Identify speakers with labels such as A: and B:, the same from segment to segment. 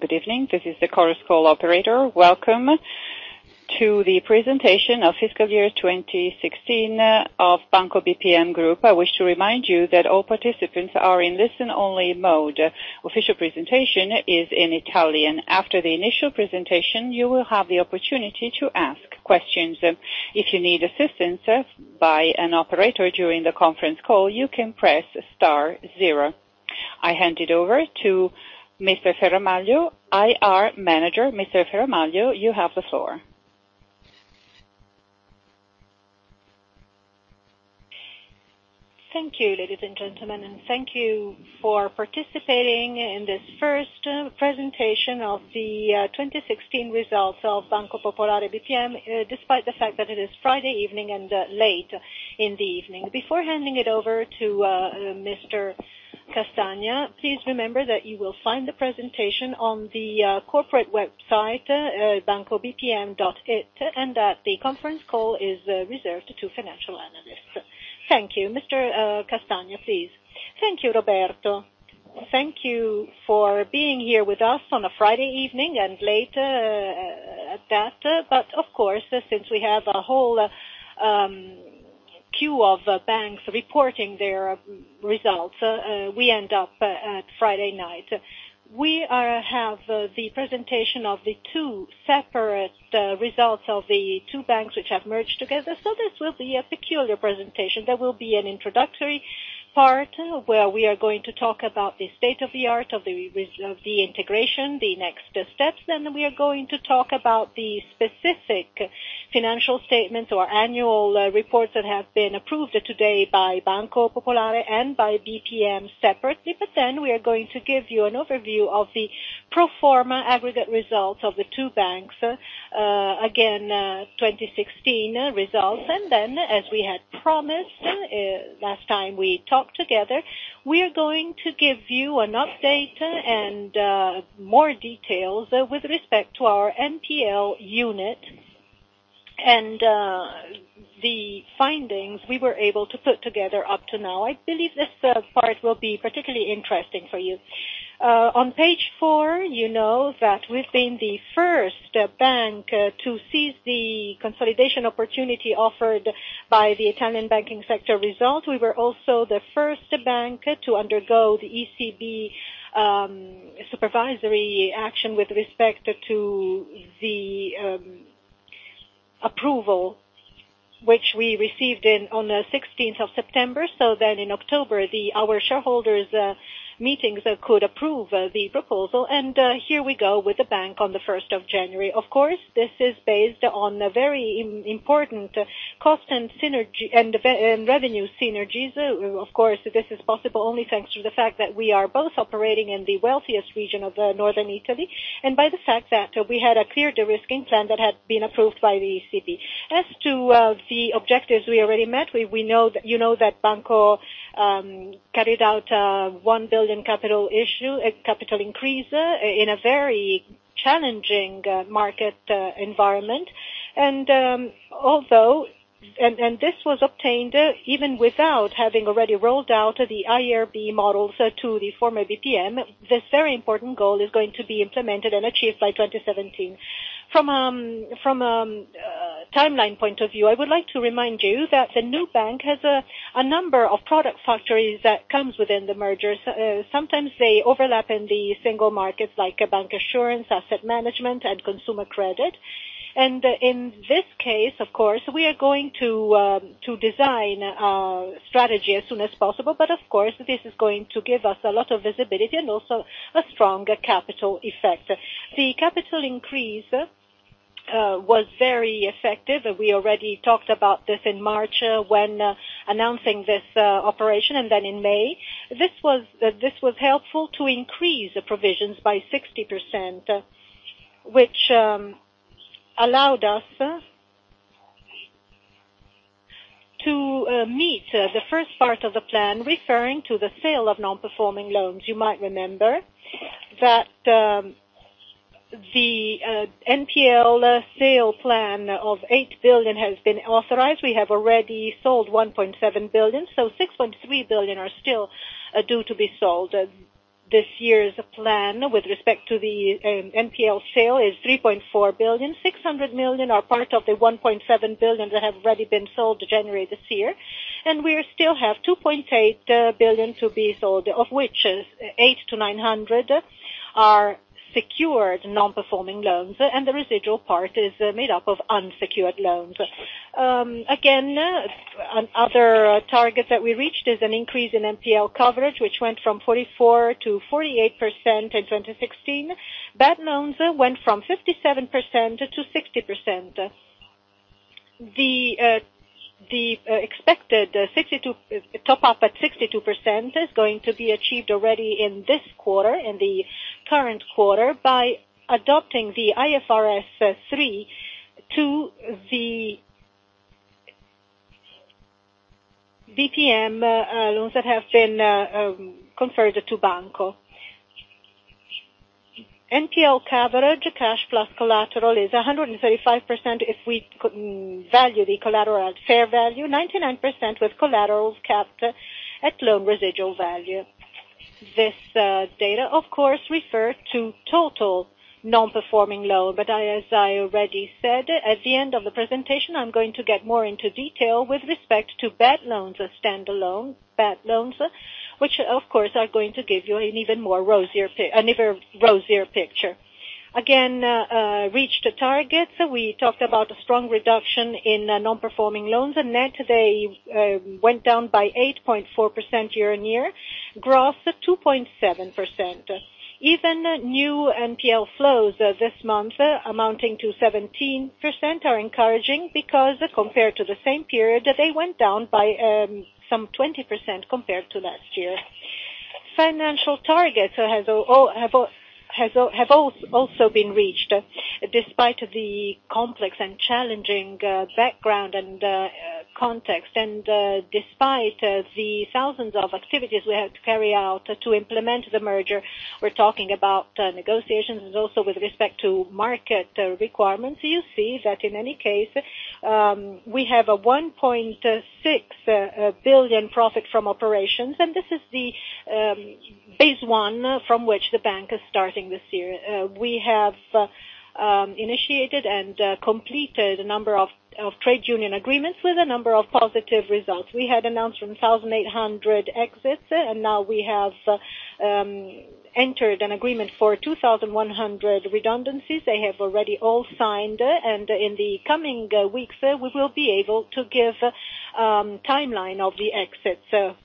A: Good evening. This is the conference call operator. Welcome to the presentation of fiscal year 2016 of Banco BPM Group. I wish to remind you that all participants are in listen-only mode. Official presentation is in Italian. After the initial presentation, you will have the opportunity to ask questions. If you need assistance by an operator during the conference call, you can press star zero. I hand it over to Mr. Peronaglio, IR manager. Mr. Peronaglio, you have the floor.
B: Thank you, ladies and gentlemen, thank you for participating in this first presentation of the 2016 results of Banco BPM, despite the fact that it is Friday evening and late in the evening. Before handing it over to Mr. Castagna, please remember that you will find the presentation on the corporate website, bancobpm.it, and that the conference call is reserved to financial analysts. Thank you. Mr. Castagna, please.
C: Thank you, Roberto. Thank you for being here with us on a Friday evening, and late at that. Of course, since we have a whole queue of banks reporting their results, we end up at Friday night. We have the presentation of the two separate results of the two banks which have merged together. This will be a peculiar presentation. There will be an introductory part where we are going to talk about the state of the art of the integration, the next steps. We are going to talk about the specific financial statements or annual reports that have been approved today by Banco Popolare and by BPM separately. We are going to give you an overview of the pro forma aggregate results of the two banks, again, 2016 results. As we had promised last time we talked together, we are going to give you an update and more details with respect to our NPL unit and the findings we were able to put together up to now. I believe this part will be particularly interesting for you. On page four, you know that we've been the first bank to seize the consolidation opportunity offered by the Italian banking sector result. We were also the first bank to undergo the ECB supervisory action with respect to the approval, which we received on the 16th of September. In October, our shareholders meetings could approve the proposal, and here we go with the bank on the 1st of January. Of course, this is based on very important cost and revenue synergies. Of course, this is possible only thanks to the fact that we are both operating in the wealthiest region of Northern Italy, and by the fact that we had a clear de-risking plan that had been approved by the ECB. As to the objectives we already met, you know that Banco carried out a 1 billion capital issue, a capital increase in a very challenging market environment. This was obtained even without having already rolled out the IRB models to the former BPM. This very important goal is going to be implemented and achieved by 2017. From a timeline point of view, I would like to remind you that the new bank has a number of product factories that comes within the merger. Sometimes they overlap in the single markets like bank assurance, asset management, and consumer credit. In this case, of course, we are going to design our strategy as soon as possible. Of course, this is going to give us a lot of visibility and also a stronger capital effect. The capital increase was very effective. We already talked about this in March when announcing this operation, and then in May. This was helpful to increase the provisions by 60%, which allowed us to meet the first part of the plan, referring to the sale of non-performing loans. You might remember that the NPL sale plan of 8 billion has been authorized. We have already sold 1.7 billion, so 6.3 billion are still due to be sold. This year's plan with respect to the NPL sale is 3.4 billion, 600 million are part of the 1.7 billion that have already been sold January this year. We still have 2.8 billion to be sold, of which 800-900 are secured non-performing loans, and the residual part is made up of unsecured loans. Again, another target that we reached is an increase in NPL coverage, which went from 44%-48% in 2016. Bad loans went from 57%-60%. The expected top up at 62% is going to be achieved already in this quarter, in the current quarter, by adopting the IFRS 3 to the BPM loans that have been conferred to Banco. NPL coverage, cash plus collateral, is 135% if we value the collateral at fair value, 99% with collateral capped at loan residual value. This data, of course, refer to total non-performing loan. As I already said, at the end of the presentation, I'm going to get more into detail with respect to bad loans, standalone bad loans, which of course are going to give you an even rosier picture. Again, reached targets. We talked about a strong reduction in non-performing loans. Net, they went down by 8.4% year-on-year, gross 2.7%. Even new NPL flows this month amounting to 17% are encouraging, because compared to the same period, they went down by some 20% compared to last year. Financial targets have also been reached, despite the complex and challenging background and context, and despite the thousands of activities we had to carry out to implement the merger. We're talking about negotiations also with respect to market requirements. You see that in any case, we have a 1.6 billion profit from operations, this is the base one from which the bank is starting this year. We have initiated and completed a number of trade union agreements with a number of positive results. We had announced 1,800 exits, now we have entered an agreement for 2,100 redundancies. They have already all signed, in the coming weeks, we will be able to give timeline of the exits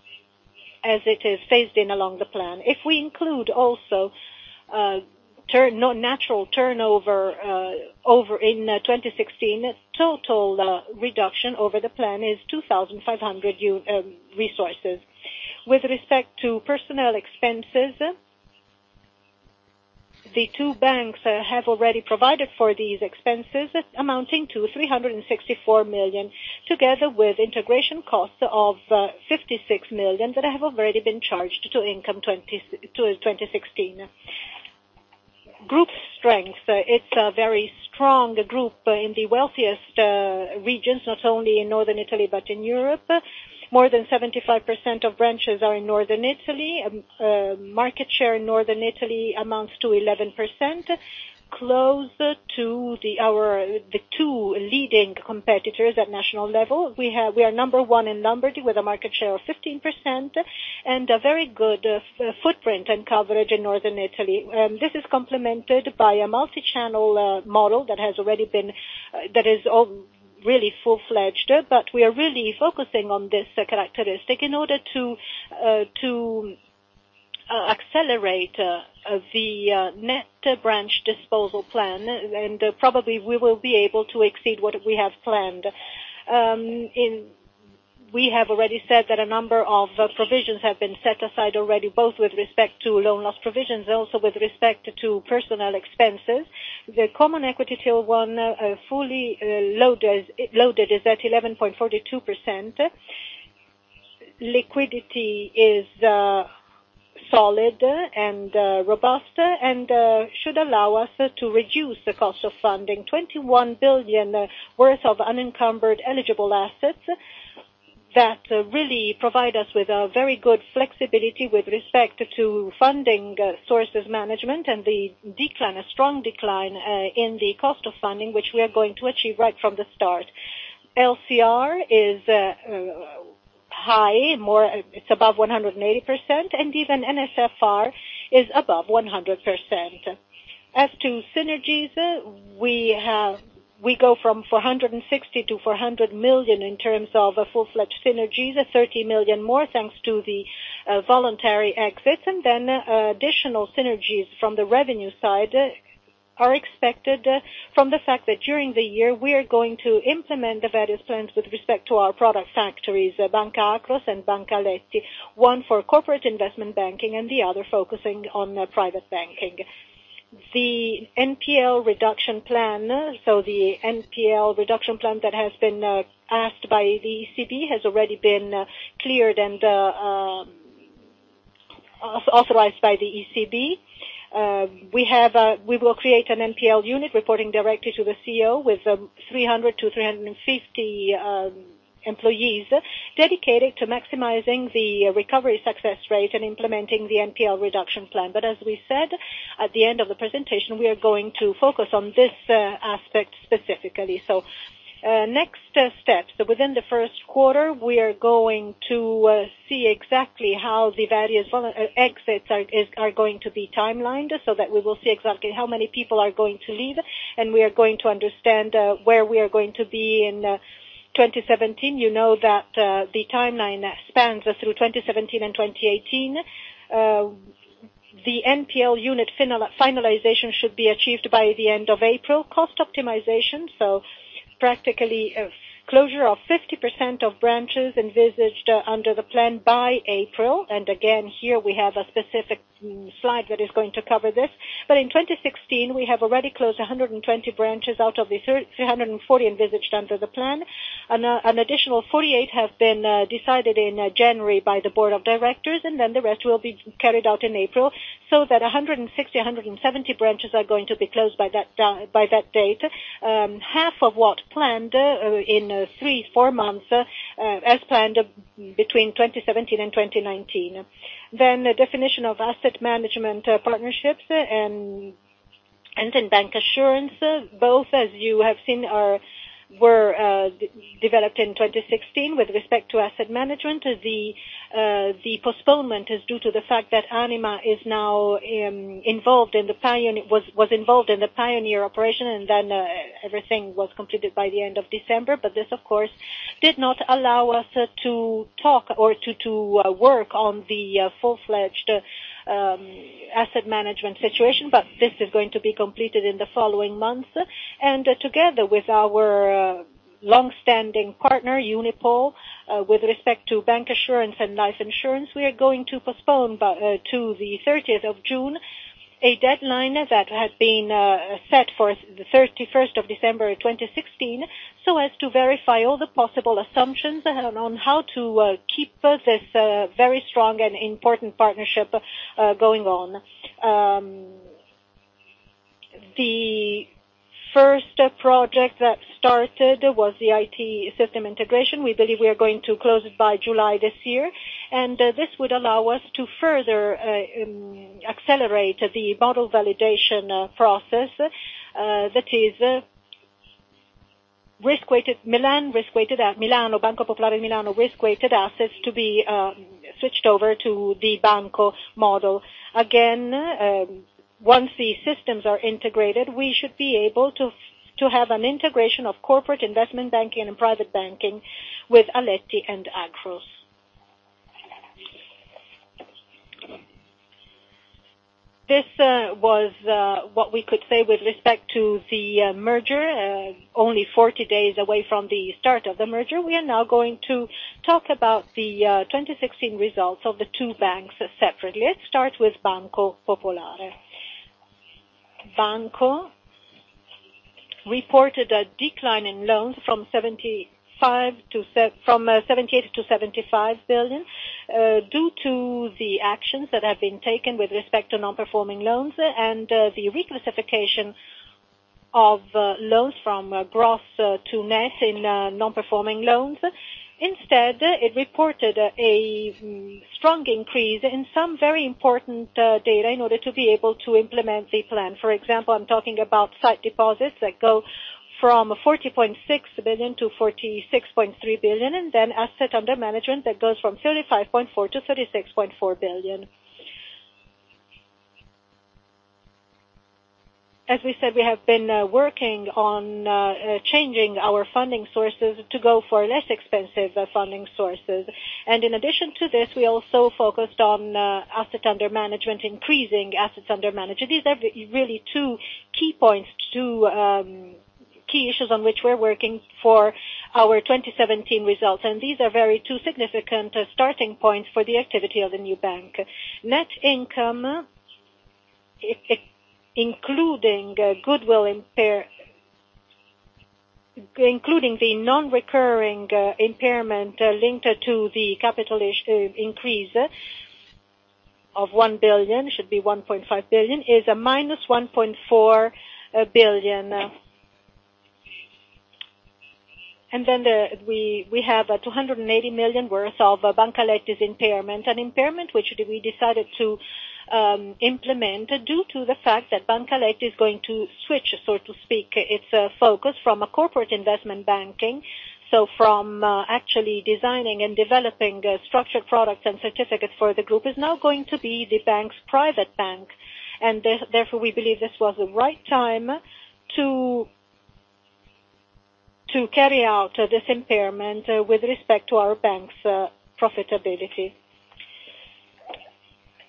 C: as it is phased in along the plan. If we include also natural turnover in 2016, total reduction over the plan is 2,500 resources. With respect to personnel expenses, the two banks have already provided for these expenses amounting to 364 million, together with integration costs of 56 million that have already been charged to income to 2016. Group strengths. It's a very strong group in the wealthiest regions, not only in Northern Italy, but in Europe. More than 75% of branches are in Northern Italy. Market share in Northern Italy amounts to 11%, close to the two leading competitors at national level. We are number one in Lombardy with a market share of 15%, and a very good footprint and coverage in Northern Italy. This is complemented by a multi-channel model that is really full-fledged, but we are really focusing on this characteristic in order to accelerate the net branch disposal plan, and probably we will be able to exceed what we have planned. We have already said that a number of provisions have been set aside already, both with respect to loan loss provisions, also with respect to personnel expenses. The Common Equity Tier 1 fully loaded is at 11.42%. Liquidity is solid and robust and should allow us to reduce the cost of funding. 21 billion worth of unencumbered eligible assets that really provide us with a very good flexibility with respect to funding sources management and the decline, a strong decline in the cost of funding, which we are going to achieve right from the start. LCR is high, it's above 180%, and even NSFR is above 100%. As to synergies, we go from 460 million-400 million in terms of full-fledged synergies, 30 million more thanks to the voluntary exits. Additional synergies from the revenue side are expected from the fact that during the year, we are going to implement the various plans with respect to our product factories, Banca Akros and Banca Aletti, one for corporate investment banking, and the other focusing on private banking. The NPL reduction plan that has been asked by the ECB has already been cleared and authorized by the ECB. We will create an NPL unit reporting directly to the CEO with 300-350 employees dedicated to maximizing the recovery success rate and implementing the NPL reduction plan. As we said, at the end of the presentation, we are going to focus on this aspect specifically. Next steps. Within the first quarter, we are going to see exactly how the various exits are going to be timelined, so that we will see exactly how many people are going to leave, and we are going to understand where we are going to be in 2017. You know that the timeline spans through 2017 and 2018. The NPL unit finalization should be achieved by the end of April. Cost optimization, practically closure of 50% of branches envisaged under the plan by April. Again, here we have a specific slide that is going to cover this. In 2016, we have already closed 120 branches out of the 340 envisaged under the plan. An additional 48 have been decided in January by the board of directors, the rest will be carried out in April, so that 160-170 branches are going to be closed by that date. Half of what planned in three, four months, as planned between 2017 and 2019. Definition of asset management partnerships and in bank assurance, both as you have seen were developed in 2016 with respect to asset management. The postponement is due to the fact that Anima was involved in the Pioneer operation, everything was completed by the end of December. This, of course, did not allow us to talk or to work on the full-fledged asset management situation, this is going to be completed in the following months. Together with our longstanding partner, Unipol, with respect to bank assurance and life insurance, we are going to postpone to the 30th of June, a deadline that had been set for the 31st of December 2016, so as to verify all the possible assumptions on how to keep this very strong and important partnership going on. The first project that started was the IT system integration. We believe we are going to close it by July this year. This would allow us to further accelerate the model validation process that is Banco Popolare Milano risk-weighted assets to be switched over to the Banco model. Once the systems are integrated, we should be able to have an integration of corporate investment banking and private banking with Aletti and Akros. This was what we could say with respect to the merger. Only 40 days away from the start of the merger, we are now going to talk about the 2016 results of the two banks separately. Let's start with Banco Popolare. Banco reported a decline in loans from 78 billion to 75 billion, due to the actions that have been taken with respect to non-performing loans and the reclassification of loans from gross to net in non-performing loans. Instead, it reported a strong increase in some very important data in order to be able to implement the plan. For example, I'm talking about site deposits that go from 40.6 billion to 46.3 billion, then asset under management that goes from 35.4 billion to 36.4 billion. As we said, we have been working on changing our funding sources to go for less expensive funding sources. In addition to this, we also focused on asset under management, increasing assets under management. These are really two key issues on which we're working for our 2017 results, these are very two significant starting points for the activity of the new bank. Net income, including the non-recurring impairment linked to the capital increase of 1 billion, should be 1.5 billion, is a minus 1.4 billion. Then we have 280 million worth of Banca Aletti's impairment. An impairment which we decided to implement due to the fact that Banca Aletti is going to switch, so to speak, its focus from a corporate investment banking, so from actually designing and developing structured products and certificates for the group, is now going to be the bank's private bank. Therefore we believe this was the right time to carry out this impairment with respect to our bank's profitability.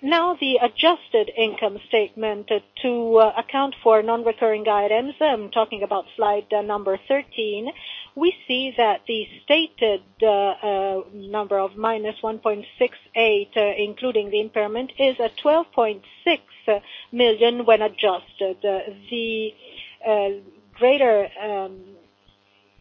C: Now the adjusted income statement to account for non-recurring items, I'm talking about slide number 13. We see that the stated number of minus 1.68, including the impairment, is a 12.6 million when adjusted. The greater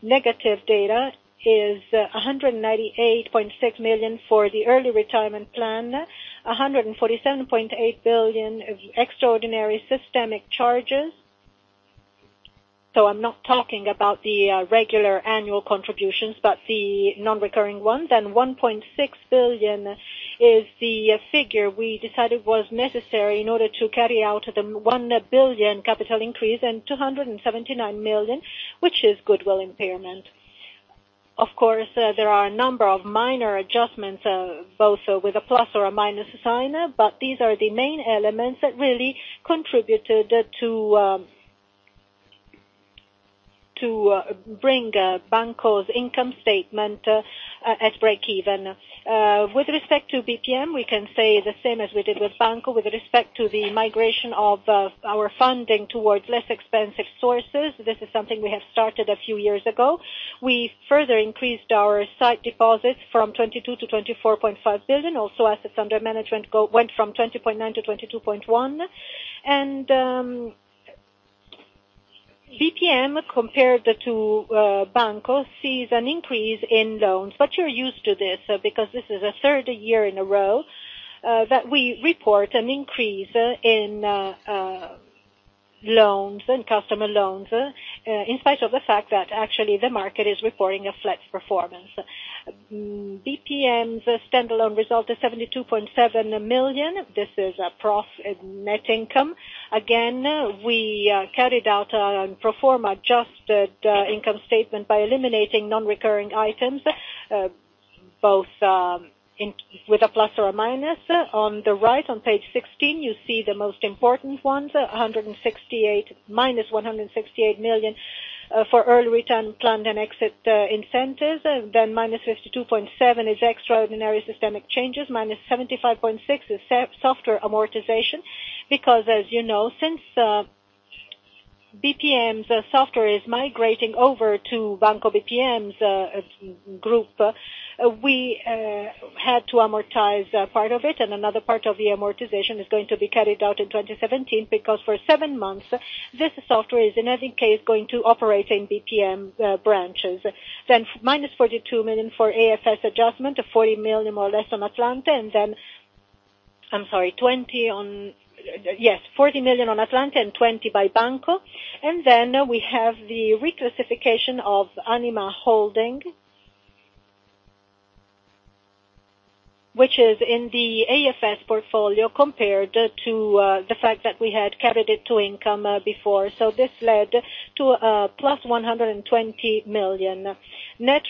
C: negative data is 198.6 million for the early retirement plan, 147.8 billion of extraordinary systemic charges. I'm not talking about the regular annual contributions, but the non-recurring ones. 1.6 billion is the figure we decided was necessary in order to carry out the 1 billion capital increase and 279 million, which is goodwill impairment. There are a number of minor adjustments, both with a plus or a minus sign, but these are the main elements that really contributed to bring Banco's income statement at breakeven. With respect to BPM, we can say the same as we did with Banco. With respect to the migration of our funding towards less expensive sources, this is something we have started a few years ago. We further increased our site deposits from 22 billion to 24.5 billion. Also, assets under management went from 20.9 to 22.1. BPM, compared to Banco, sees an increase in loans. You're used to this, because this is the third year in a row that we report an increase in loans and customer loans, in spite of the fact that actually the market is reporting a flat performance. BPM's standalone result is 72.7 million. This is a net income. Again, we carried out a pro forma adjusted income statement by eliminating non-recurring items, both with a plus or a minus. On the right, on page 16, you see the most important ones, minus 168 million for early return planned and exit incentives. -52.7 is extraordinary systemic changes, -75.6 is software amortization. Because as you know, since BPM's software is migrating over to Banco BPM's group, we had to amortize part of it, and another part of the amortization is going to be carried out in 2017 because for seven months, this software is in any case going to operate in BPM branches. Minus 42 million for AFS adjustment, 40 million more or less on Atlante, I'm sorry, 20 on Yes, 40 million on Atlante and 20 by Banco. We have the reclassification of Anima Holding, which is in the AFS portfolio compared to the fact that we had carried it to income before. This led to a plus 120 million. Net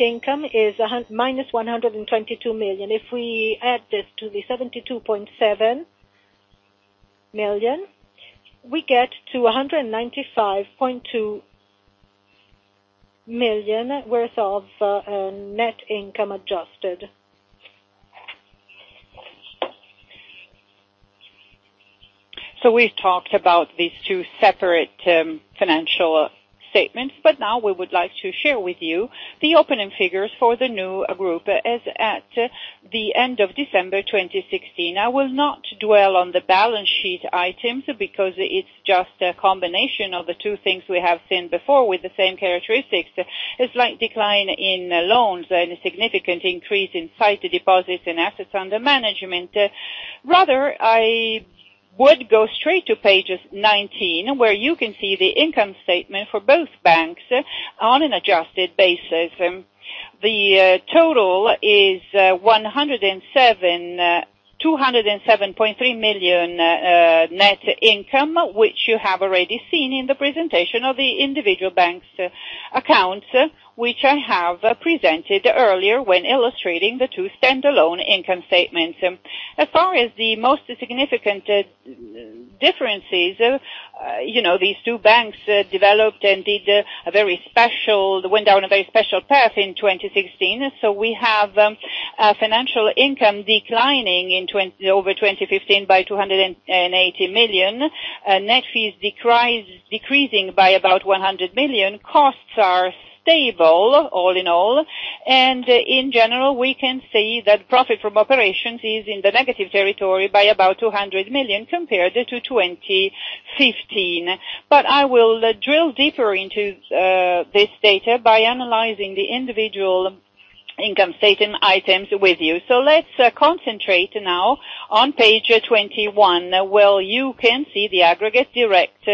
C: income is minus 122 million. If we add this to the 72.7 million, we get to 195.2 million worth of net income adjusted. We've talked about these two separate financial statements, now we would like to share with you the opening figures for the new group as at the end of December 2016. I will not dwell on the balance sheet items because it's just a combination of the two things we have seen before with the same characteristics. A slight decline in loans and a significant increase in sight deposits and assets under management. Rather, I would go straight to page 19 where you can see the income statement for both banks on an adjusted basis. The total is 207.3 million net income, which you have already seen in the presentation of the individual bank's accounts, which I have presented earlier when illustrating the two standalone income statements. As far as the most significant differences, these two banks developed and went down a very special path in 2016. We have financial income declining over 2015 by 280 million. Net fees decreasing by about 100 million. Costs are stable all in all. In general, we can see that profit from operations is in the negative territory by about 200 million compared to 2015. I will drill deeper into this data by analyzing the individual income statement items with you. Let's concentrate now on page 21, where you can see the aggregate direct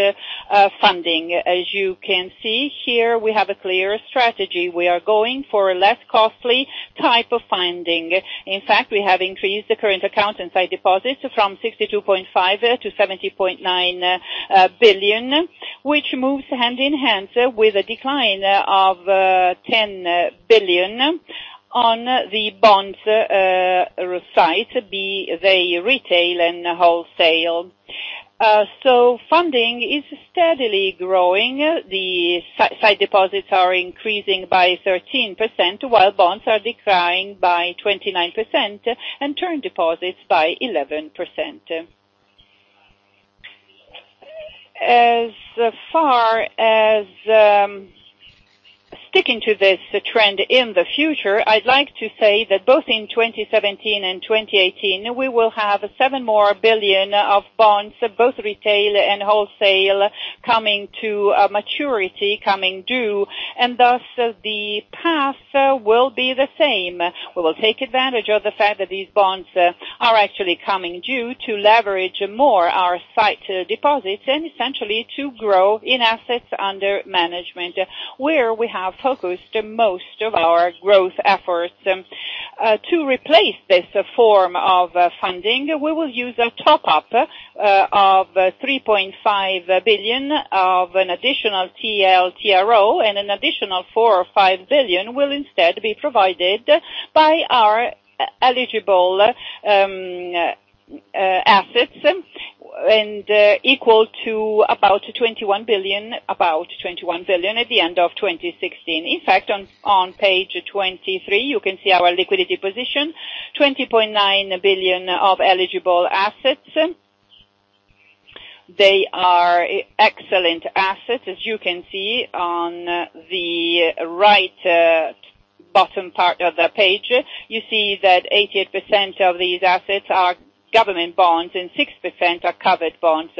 C: funding. As you can see here, we have a clear strategy. We are going for a less costly type of funding. In fact, we have increased the current account and sight deposits from 62.5 billion to 70.9 billion, which moves hand in hand with a decline of 10 billion on the bonds side, be they retail and wholesale. Funding is steadily growing. The sight deposits are increasing by 13%, while bonds are declining by 29%, and term deposits by 11%. As far as sticking to this trend in the future, I'd like to say that both in 2017 and 2018, we will have 7 billion more of bonds, both retail and wholesale, coming to maturity, coming due, and thus the path will be the same. We will take advantage of the fact that these bonds are actually coming due to leverage more our sight deposits, and essentially to grow in assets under management, where we have focused most of our growth efforts. To replace this form of funding, we will use a top-up of 3.5 billion of an additional TLTRO, and an additional 4 billion or 5 billion will instead be provided by our eligible assets, and equal to about 21 billion at the end of 2016. In fact, on page 23, you can see our liquidity position, 20.9 billion of eligible assets. They are excellent assets. As you can see on the right bottom part of the page, you see that 88% of these assets are government bonds and 6% are covered bonds.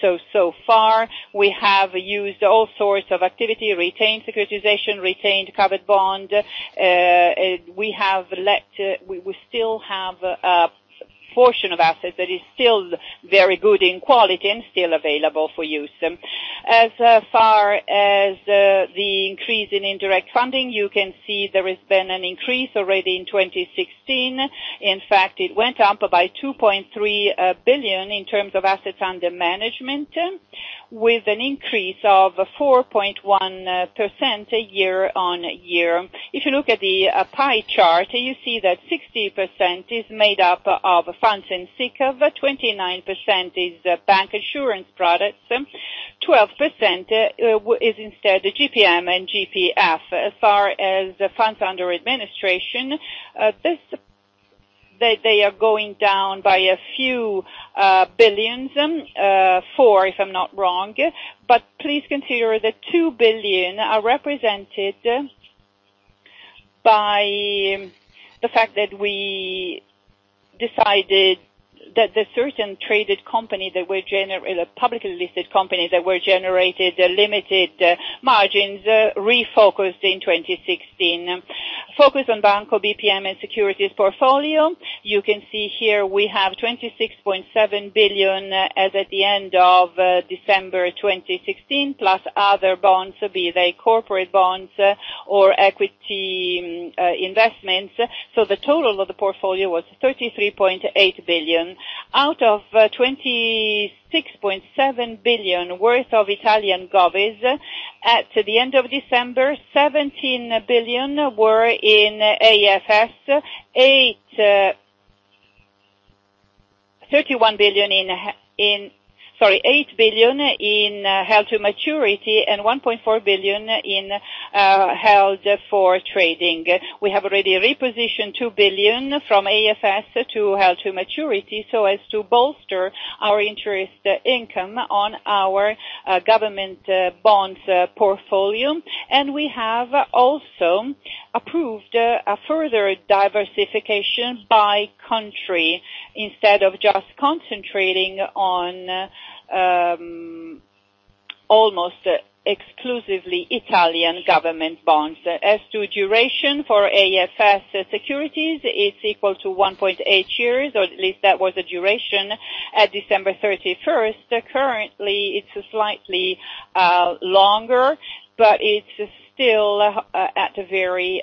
C: So far we have used all sorts of activity, retained securitization, retained covered bond. We still have portion of assets that is still very good in quality and still available for use. As far as the increase in indirect funding, you can see there has been an increase already in 2016. In fact, it went up by 2.3 billion in terms of assets under management, with an increase of 4.1% year-on-year. If you look at the pie chart, you see that 60% is made up of funds in SICAV, 29% is bank assurance products, 12% is instead GPM and GPF. As far as the funds under administration, they are going down by a few billions. 4 billion, if I'm not wrong. Please consider the 2 billion are represented by the fact that we decided that the certain publicly listed companies that were generated limited margins refocused in 2016. Focus on Banco BPM and securities portfolio. You can see here we have 26.7 billion as at the end of December 2016, plus other bonds, be they corporate bonds or equity investments. The total of the portfolio was 33.8 billion. Out of 26.7 billion worth of Italian govvis at the end of December, EUR 17 billion were in AFS, 8 billion in held to maturity, and 1.4 billion in held for trading. We have already repositioned 2 billion from AFS to held to maturity so as to bolster our interest income on our government bonds portfolio. We have also approved a further diversification by country instead of just concentrating on almost exclusively Italian government bonds. As to duration for AFS securities, it's equal to 1.8 years, or at least that was the duration at December 31st. Currently, it's slightly longer, but it's still at a very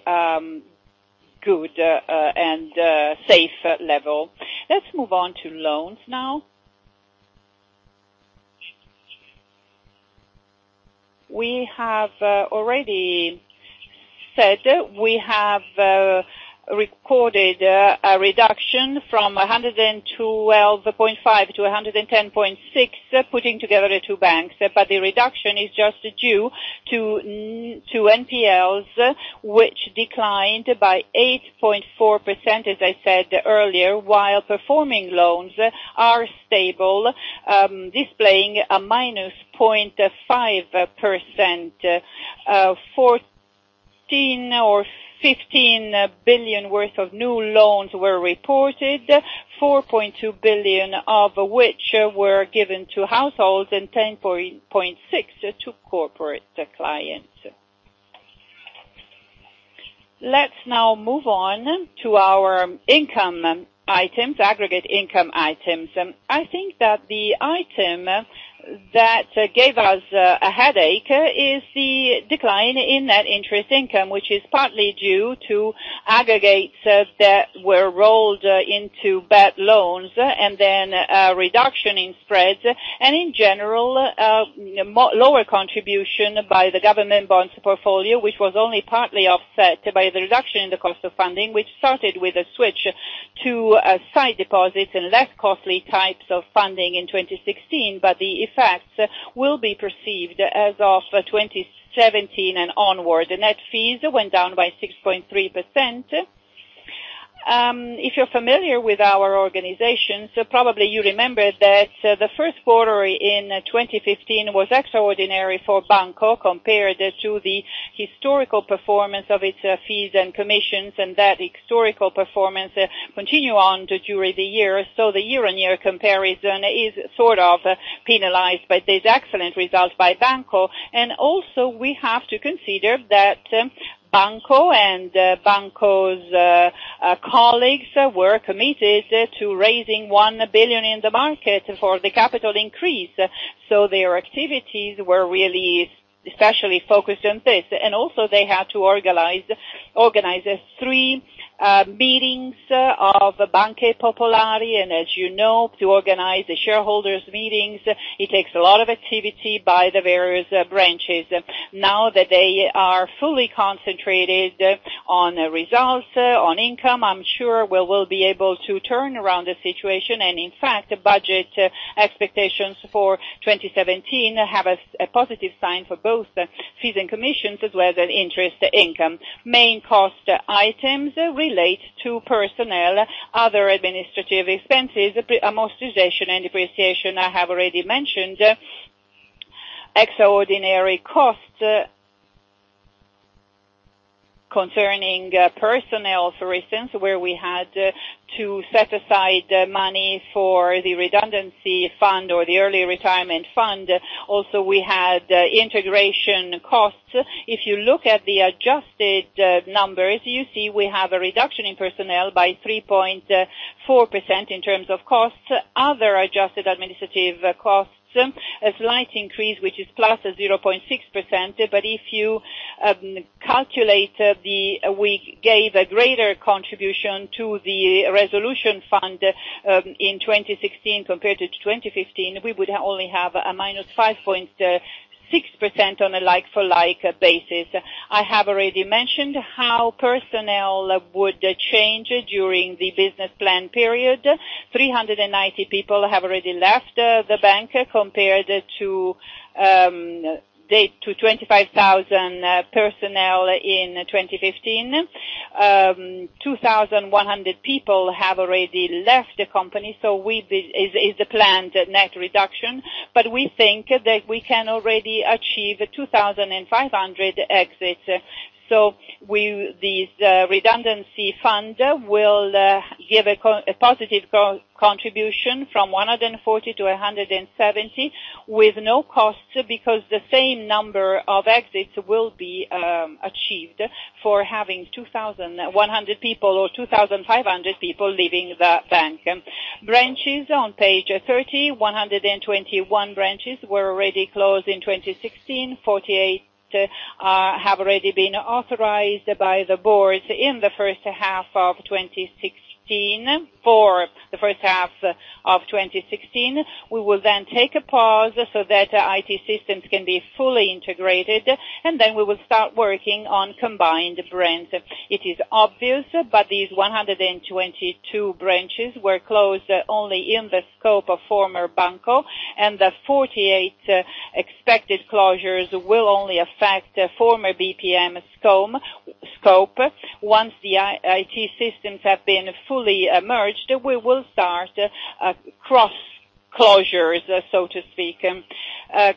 C: good and safe level. Let's move on to loans now. We have already said we have recorded a reduction from 112.5 billion to 110.6 billion, putting together the two banks. The reduction is just due to NPLs, which declined by 8.4%, as I said earlier, while performing loans are stable, displaying a minus 0.5%. 14 billion or 15 billion worth of new loans were reported, 4.2 billion of which were given to households and 10.6 billion to corporate clients. Let's now move on to our aggregate income items. I think that the item that gave us a headache is the decline in net interest income, which is partly due to aggregates that were rolled into bad loans, then a reduction in spreads. In general, lower contribution by the government bonds portfolio, which was only partly offset by the reduction in the cost of funding, which started with a switch to sight deposits and less costly types of funding in 2016. The effects will be perceived as of 2017 and onward. Net fees went down by 6.3%. If you're familiar with our organization, probably you remember that the first quarter in 2015 was extraordinary for Banco compared to the historical performance of its fees and commissions, and that historical performance continue on during the year. The year-on-year comparison is sort of penalized by these excellent results by Banco. Also, we have to consider that Banco and Banco's colleagues were committed to raising 1 billion in the market for the capital increase. Their activities were really especially focused on this, and also they had to organize three meetings of Banco Popolare, and as you know, to organize the shareholders meetings, it takes a lot of activity by the various branches. Now that they are fully concentrated on results, on income, I'm sure we will be able to turn around the situation. In fact, budget expectations for 2017 have a positive sign for both fees and commissions, as well as interest income. Main cost items relate to personnel, other administrative expenses, amortization and depreciation, I have already mentioned. Extraordinary costs concerning personnel, for instance, where we had to set aside money for the redundancy fund or the early retirement fund. Also, we had integration costs. If you look at the adjusted numbers, you see we have a reduction in personnel by 3.4% in terms of costs. Other adjusted administrative costs, a slight increase, which is plus 0.6%. If you calculate, we gave a greater contribution to the resolution fund in 2016 compared to 2015, we would only have a minus 5.6% on a like-for-like basis. I have already mentioned how personnel would change during the business plan period. 390 people have already left the bank compared to 25,000 personnel in 2015. 2,100 people have already left the company. It's a planned net reduction, but we think that we can already achieve 2,500 exits. This redundancy fund will give a positive contribution from 140 million to 170 million with no costs, because the same number of exits will be achieved for having 2,100 people or 2,500 people leaving the bank. Branches on page 30, 121 branches were already closed in 2016, 48 have already been authorized by the board for the first half of 2016. We will then take a pause so that IT systems can be fully integrated, and then we will start working on combined brands. It is obvious, but these 122 branches were closed only in the scope of former Banco, and the 48 expected closures will only affect former BPM scope. Once the IT systems have been fully merged, we will start cross-closures, so to speak.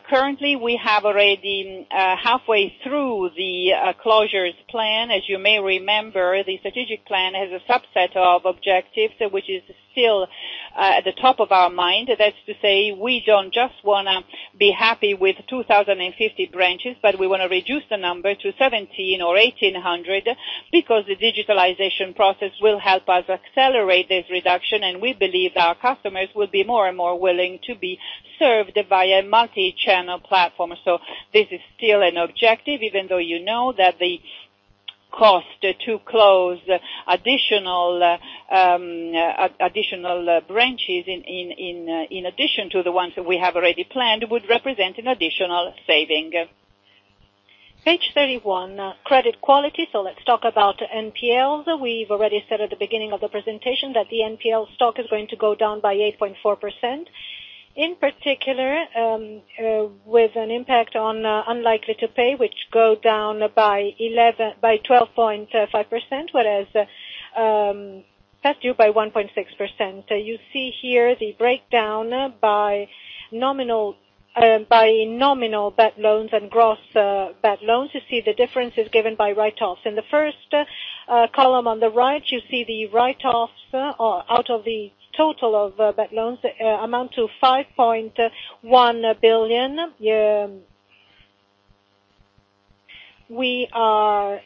C: Currently, we have already halfway through the closures plan. As you may remember, the strategic plan has a subset of objectives, which is still at the top of our mind. That's to say, we don't just want to be happy with 2,050 branches, but we want to reduce the number to 1,700 or 1,800, because the digitalization process will help us accelerate this reduction, and we believe our customers will be more and more willing to be served by a multi-channel platform. This is still an objective, even though you know that the cost to close additional branches in addition to the ones that we have already planned, would represent an additional saving. Page 31, credit quality. Let's talk about NPLs. We've already said at the beginning of the presentation that the NPL stock is going to go down by 8.4%. In particular, with an impact on unlikely to pay, which go down by 12.5%, whereas past due by 1.6%. You see here the breakdown by nominal bad loans and gross bad loans. You see the difference is given by write-offs. In the first column on the right, you see the write-offs out of the total of bad loans amount to 5.1 billion. We are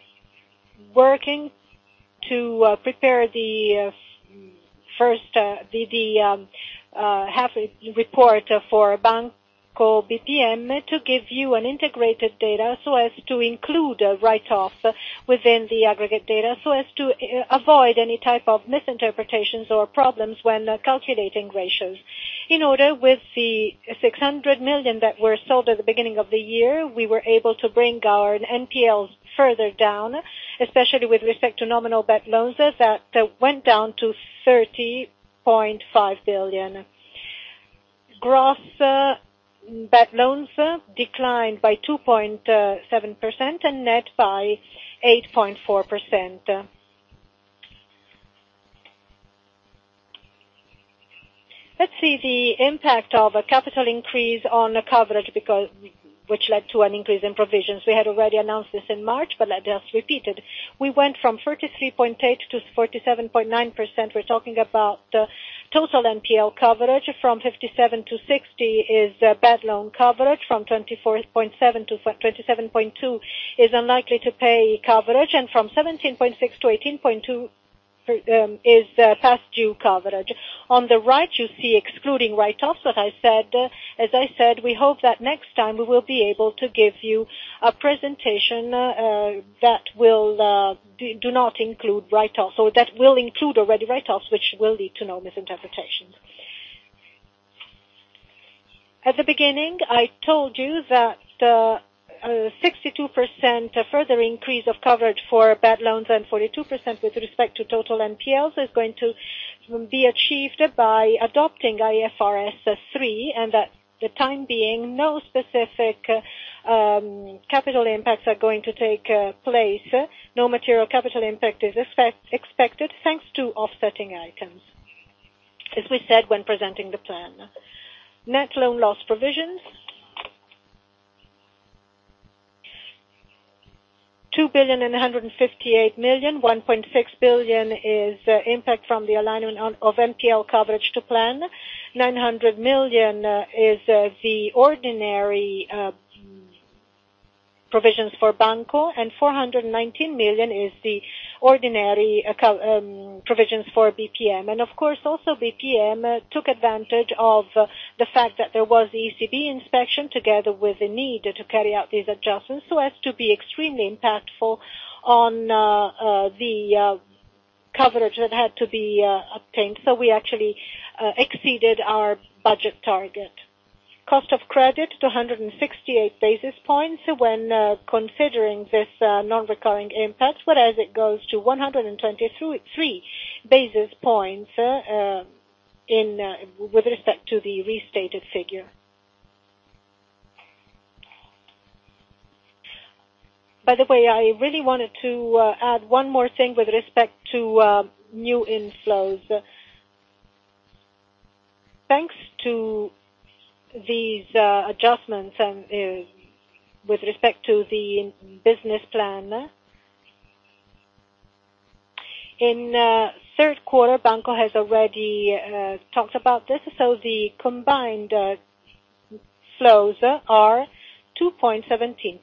C: working to prepare the half report for Banco BPM to give you an integrated data so as to include write-off within the aggregate data, so as to avoid any type of misinterpretations or problems when calculating ratios. In order with the 600 million that were sold at the beginning of the year, we were able to bring our NPLs further down, especially with respect to nominal bad loans that went down to 30.5 billion. Gross bad loans declined by 2.7% and net by 8.4%. Let's see the impact of a capital increase on coverage, which led to an increase in provisions. We had already announced this in March, but let's repeat it. We went from 33.8% to 47.9%.
A: We're talking about total NPL coverage from 57%-60% is bad loan coverage from 24.7%-27.2% is unlikely to pay coverage, and from 17.6%-18.2% is past due coverage. On the right, you see excluding write-offs. As I said, we hope that next time we will be able to give you a presentation that will include already write-offs, which will lead to no misinterpretation. At the beginning, I told you that 62% further increase of coverage for bad loans and 42% with respect to total NPLs is going to be achieved by adopting IFRS 3, and at the time being, no specific capital impacts are going to take place. No material capital impact is expected, thanks to offsetting items.
C: As we said when presenting the plan. Net loan loss provisions, 2.158 billion. 1.6 billion is impact from the alignment of NPL coverage to plan. 900 million is the ordinary provisions for Banco, 419 million is the ordinary provisions for BPM. Of course, also BPM took advantage of the fact that there was ECB inspection together with the need to carry out these adjustments so as to be extremely impactful on the coverage that had to be obtained. We actually exceeded our budget target. Cost of credit, 268 basis points when considering this non-recurring impact. Whereas it goes to 123 basis points with respect to the restated figure. By the way, I really wanted to add one more thing with respect to new inflows. Thanks to these adjustments and with respect to the business plan, in third quarter, Banco has already talked about this, the combined flows are 2.17%.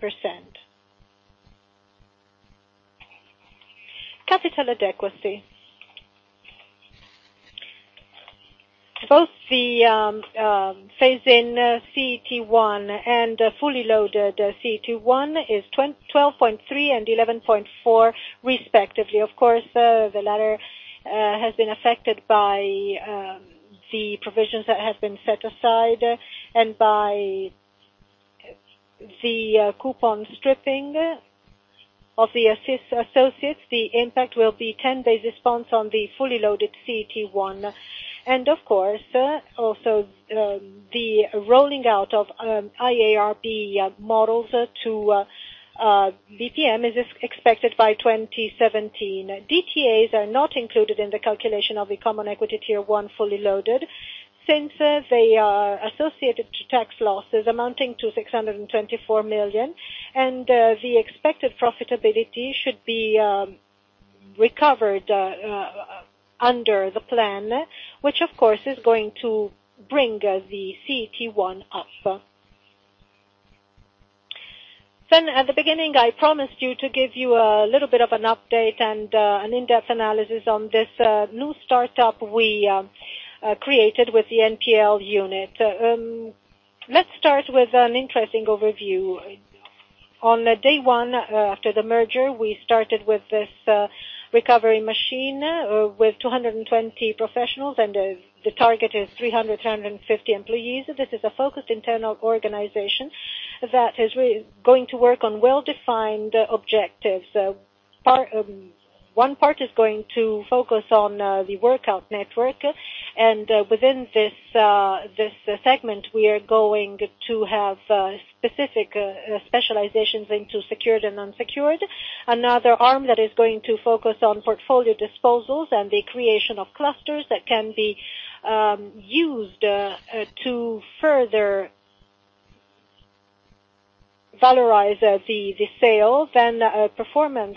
C: Capital adequacy. Both the phase-in CET1 and fully loaded CET1 is 12.3% and 11.4% respectively. Of course, the latter has been affected by the provisions that have been set aside and by the coupon stripping of the associates. The impact will be 10 basis points on the fully loaded CET1. Of course, also the rolling out of IRB models to BPM is expected by 2017. DTAs are not included in the calculation of the common equity Tier 1 fully loaded since they are associated to tax losses amounting to 624 million, and the expected profitability should be recovered under the plan, which of course is going to bring the CET1 up. At the beginning, I promised you to give you a little bit of an update and an in-depth analysis on this new startup we created with the NPL unit. Let's start with an interesting overview. On day one after the merger, we started with this recovery machine with 220 professionals, and the target is 300-350 employees. This is a focused internal organization that is going to work on well-defined objectives. One part is going to focus on the workout network, and within this segment, we are going to have specific specializations into secured and unsecured. Another arm that is going to focus on portfolio disposals and the creation of clusters that can be used to further valorize the sale. Performance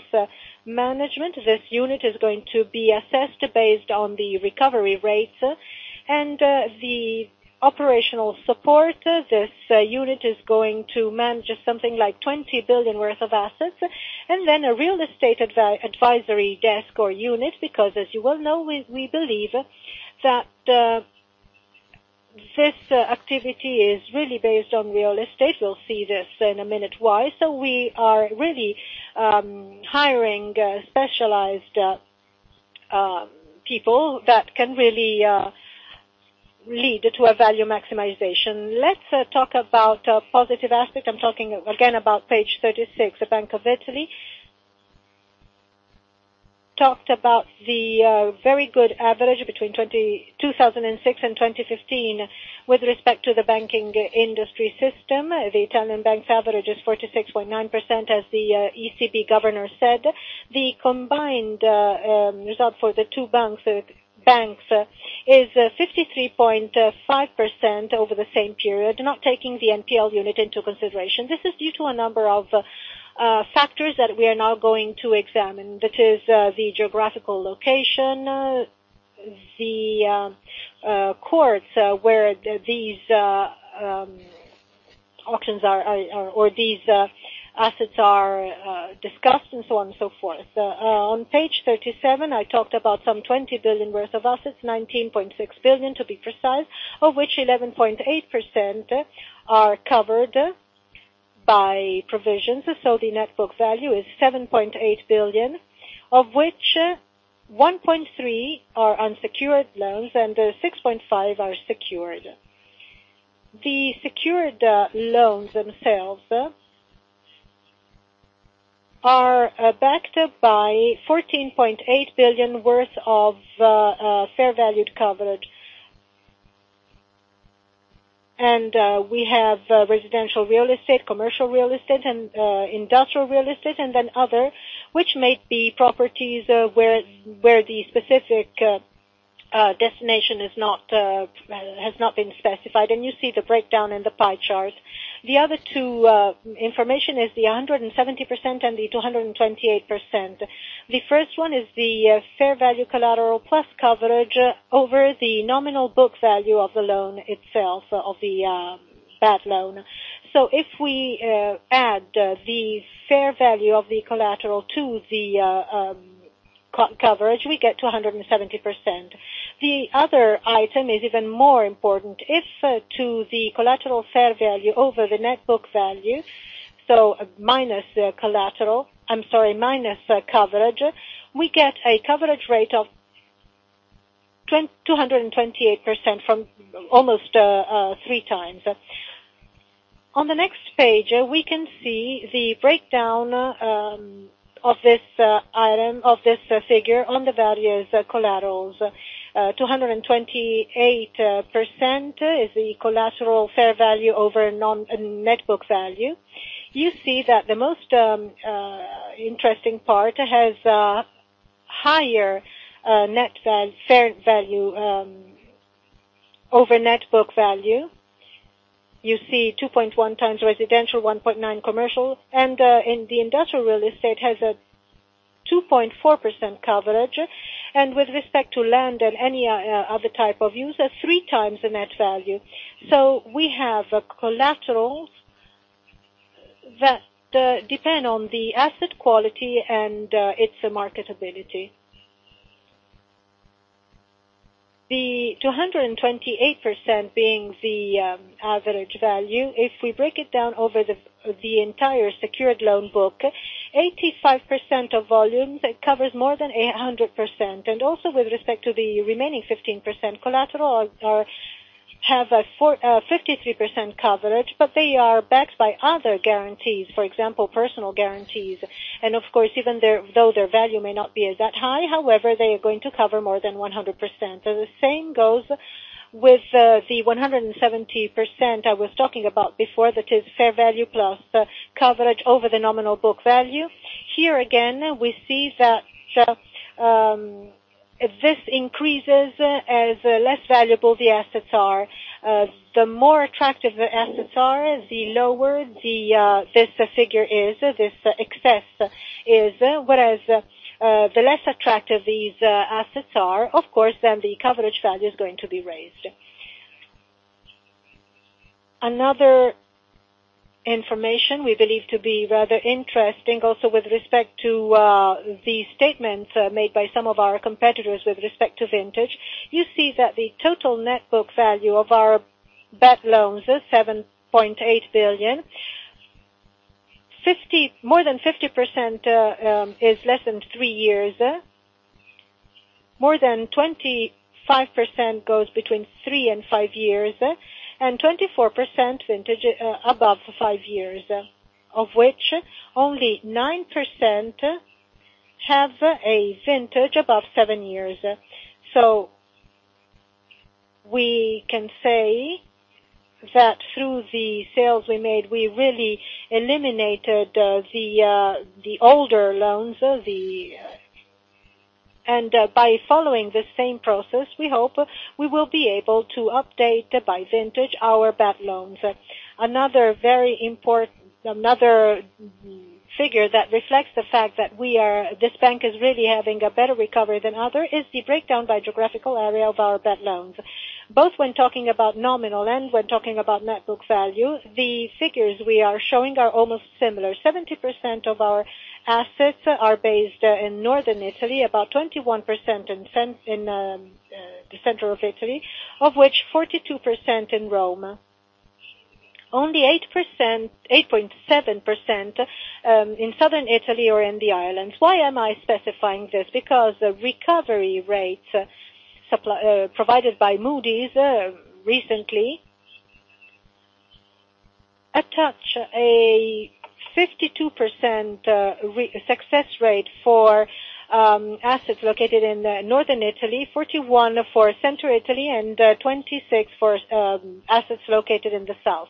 C: management. This unit is going to be assessed based on the recovery rates. The operational support, this unit is going to manage something like 20 billion worth of assets. Then a real estate advisory desk or unit, because as you well know, we believe that this activity is really based on real estate. We'll see this in a minute why. We are really hiring specialized people that can really lead to a value maximization. Let's talk about a positive aspect. I'm talking again about page 36. The Bank of Italy talked about the very good average between 2006 and 2015 with respect to the banking industry system. The Italian banks average is 46.9%, as the ECB governor said. The combined result for the two banks is 53.5% over the same period, not taking the NPL unit into consideration. This is due to a number of factors that we are now going to examine. That is the geographical location, the courts where these auctions are, or these assets are discussed, and so on and so forth. On page 37, I talked about some 20 billion worth of assets, 19.6 billion to be precise, of which 11.8% are covered by provisions. The net book value is 7.8 billion, of which 1.3 billion are unsecured loans and 6.5 billion are secured. The secured loans themselves are backed up by 14.8 billion worth of fair valued coverage. We have residential real estate, commercial real estate, and industrial real estate, and then other, which might be properties where the specific destination has not been specified. You see the breakdown in the pie chart. The other two information is the 170% and the 228%. The first one is the fair value collateral plus coverage over the nominal book value of the loan itself, of the bad loan. If we add the fair value of the collateral to the coverage, we get to 170%. The other item is even more important. If to the collateral fair value over the net book value, minus coverage, we get a coverage rate of 228% from almost three times. On the next page, we can see the breakdown of this figure on the various collaterals. 228% is the collateral fair value over net book value. You see that the most interesting part has a higher net fair value over net book value. You see 2.1 times residential, 1.9 commercial, and the industrial real estate has a 2.4% coverage, and with respect to land and any other type of use, three times the net value. We have collaterals that depend on the asset quality and its marketability. The 228% being the average value, if we break it down over the entire secured loan book, 85% of volumes, it covers more than 100%. With respect to the remaining 15% collateral have a 53% coverage, but they are backed by other guarantees, for example, personal guarantees. Of course, even though their value may not be as that high, however, they are going to cover more than 100%. The same goes with the 170% I was talking about before, that is fair value plus coverage over the nominal book value. Here again, we see that this increases as less valuable the assets are. The more attractive the assets are, the lower this figure is, this excess is. Whereas the less attractive these assets are, of course, then the coverage value is going to be raised. Another information we believe to be rather interesting also with respect to the statements made by some of our competitors with respect to vintage, you see that the total net book value of our bad loans is 7.8 billion. More than 50% is less than three years. More than 25% goes between three and five years, and 24% vintage above five years, of which only 9% have a vintage above seven years. We can say that through the sales we made, we really eliminated the older loans. By following the same process, we hope we will be able to update by vintage our bad loans. Another figure that reflects the fact that this bank is really having a better recovery than other is the breakdown by geographical area of our bad loans. Both when talking about nominal and when talking about net book value, the figures we are showing are almost similar. 70% of our assets are based in Northern Italy, about 21% in the central of Italy, of which 42% in Rome. Only 8.7% in Southern Italy or in the islands. Why am I specifying this? Because recovery rates provided by Moody's recently attach a 52% success rate for assets located in Northern Italy, 41% for Central Italy, and 26% for assets located in the south.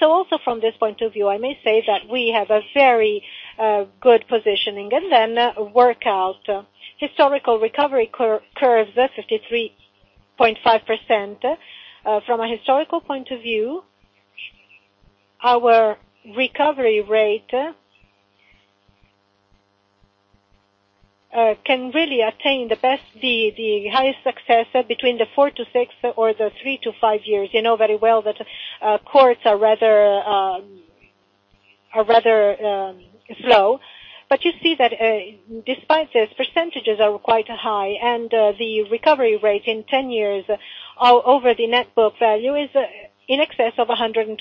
C: Also from this point of view, I may say that we have a very good positioning. And then workout historical recovery curves, 53.5%. From a historical point of view, our recovery rate can really attain the highest success between the 4 to 6 or the 3 to 5 years. You know very well that courts are rather slow, but you see that despite this, percentages are quite high, and the recovery rate in 10 years over the net book value is in excess of 120%.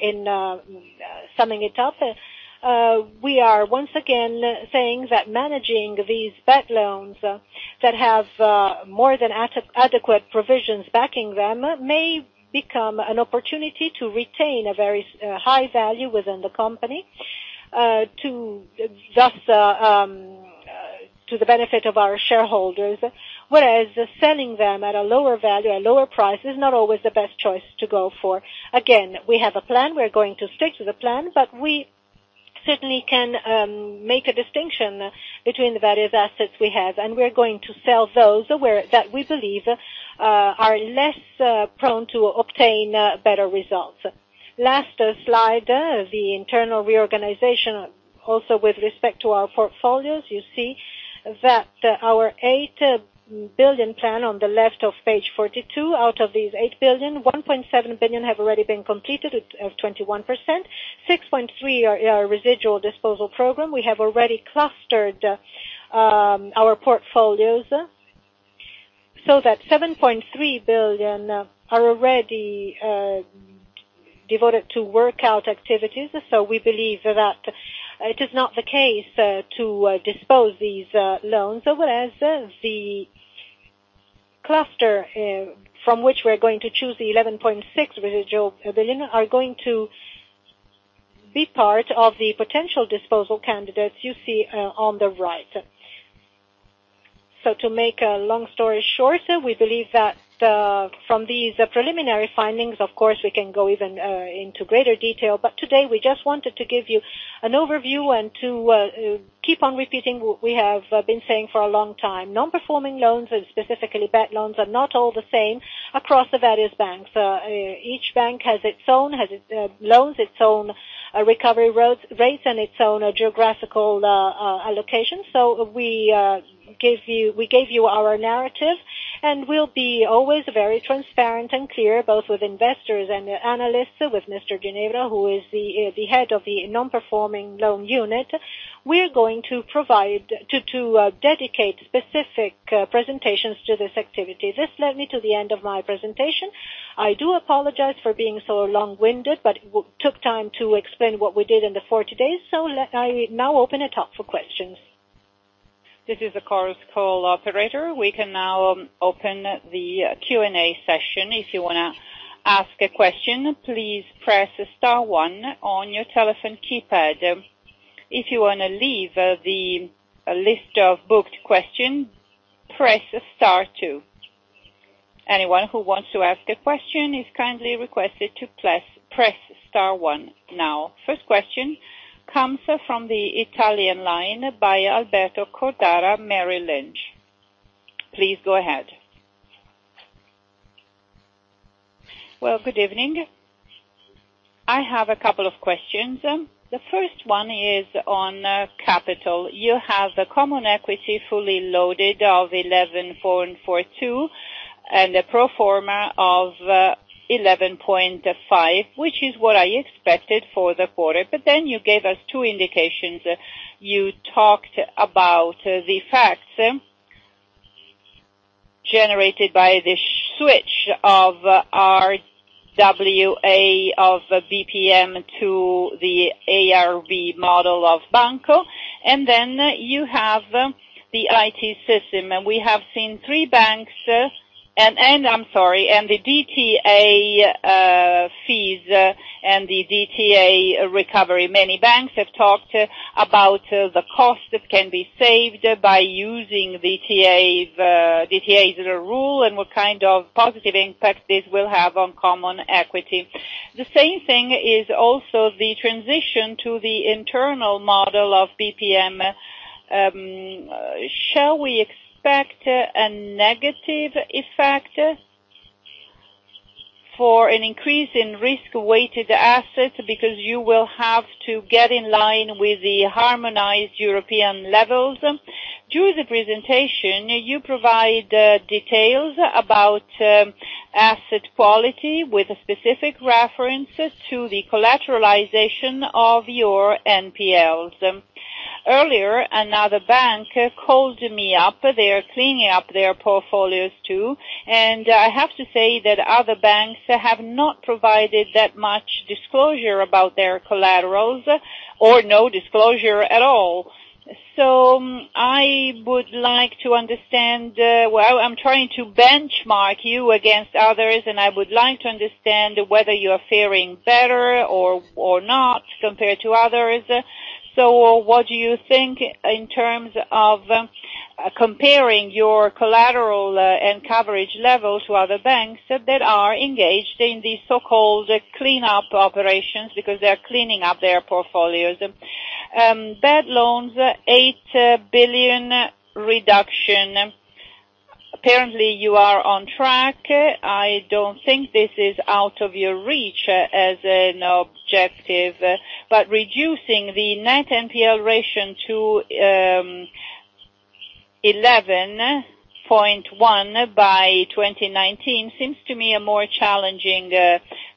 C: In summing it up, we are once again saying that managing these bad loans that have more than adequate provisions backing them may become an opportunity to retain a very high value within the company to thus To the benefit of our shareholders. Whereas selling them at a lower value, a lower price is not always the best choice to go for. Again, we have a plan, we're going to stick to the plan, but we certainly can make a distinction between the various assets we have, and we're going to sell those that we believe are less prone to obtain better results. Last slide, the internal reorganization also with respect to our portfolios, you see that our 8 billion plan on the left of page 42, out of these 8 billion, 1.7 billion have already been completed of 21%, 6.3 are residual disposal program. We have already clustered our portfolios so that 7.3 billion are already devoted to work out activities. We believe that it is not the case to dispose these loans, whereas the cluster from which we're going to choose the 11.6 residual billion are going to be part of the potential disposal candidates you see on the right. To make a long story shorter, we believe that from these preliminary findings, of course, we can go even into greater detail, but today we just wanted to give you an overview and to keep on repeating what we have been saying for a long time. Non-performing loans, and specifically bad loans, are not all the same across the various banks. Each bank has its own loans, its own recovery rates, and its own geographical allocation. We gave you our narrative, and we'll be always very transparent and clear, both with investors and analysts, with Mr. Ginevra, who is the head of the non-performing loan unit. We're going to dedicate specific presentations to this activity. This led me to the end of my presentation. I do apologize for being so long-winded, but it took time to explain what we did in the 40 days. I now open it up for questions.
A: This is the conference call operator. We can now open the Q&A session. If you want to ask a question, please press star one on your telephone keypad. If you want to leave the list of booked question, press star two. Anyone who wants to ask a question is kindly requested to press star one now. First question comes from the Italian line by Alberto Cordara, Merrill Lynch. Please go ahead. Well, good evening. I have a couple of questions. The first one is on capital. You have a common equity fully loaded of 11.4 and 42, and a pro forma of 11.5, which is what I expected for the quarter. You gave us two indications. You talked about the facts generated by the switch of RWA of BPM to the IRB model of Banco.
D: You have the IT system, and we have seen three banks, I'm sorry, and the DTA fees and the DTA recovery. Many banks have talked about the cost that can be saved by using DTAs rule and what kind of positive impact this will have on common equity. The same thing is also the transition to the internal model of BPM. Shall we expect a negative effect for an increase in risk-weighted assets because you will have to get in line with the harmonized European levels? During the presentation, you provide details about asset quality with specific references to the collateralization of your NPLs. Earlier, another bank called me up. They are cleaning up their portfolios too. I have to say that other banks have not provided that much disclosure about their collaterals or no disclosure at all. I would like to understand, well, I'm trying to benchmark you against others. I would like to understand whether you are faring better or not compared to others. What do you think in terms of comparing your collateral and coverage level to other banks that are engaged in these so-called cleanup operations because they are cleaning up their portfolios? Bad loans, 8 billion reduction. Apparently, you are on track. I don't think this is out of your reach as an objective. Reducing the net NPL ratio to 11.1 by 2019 seems to me a more challenging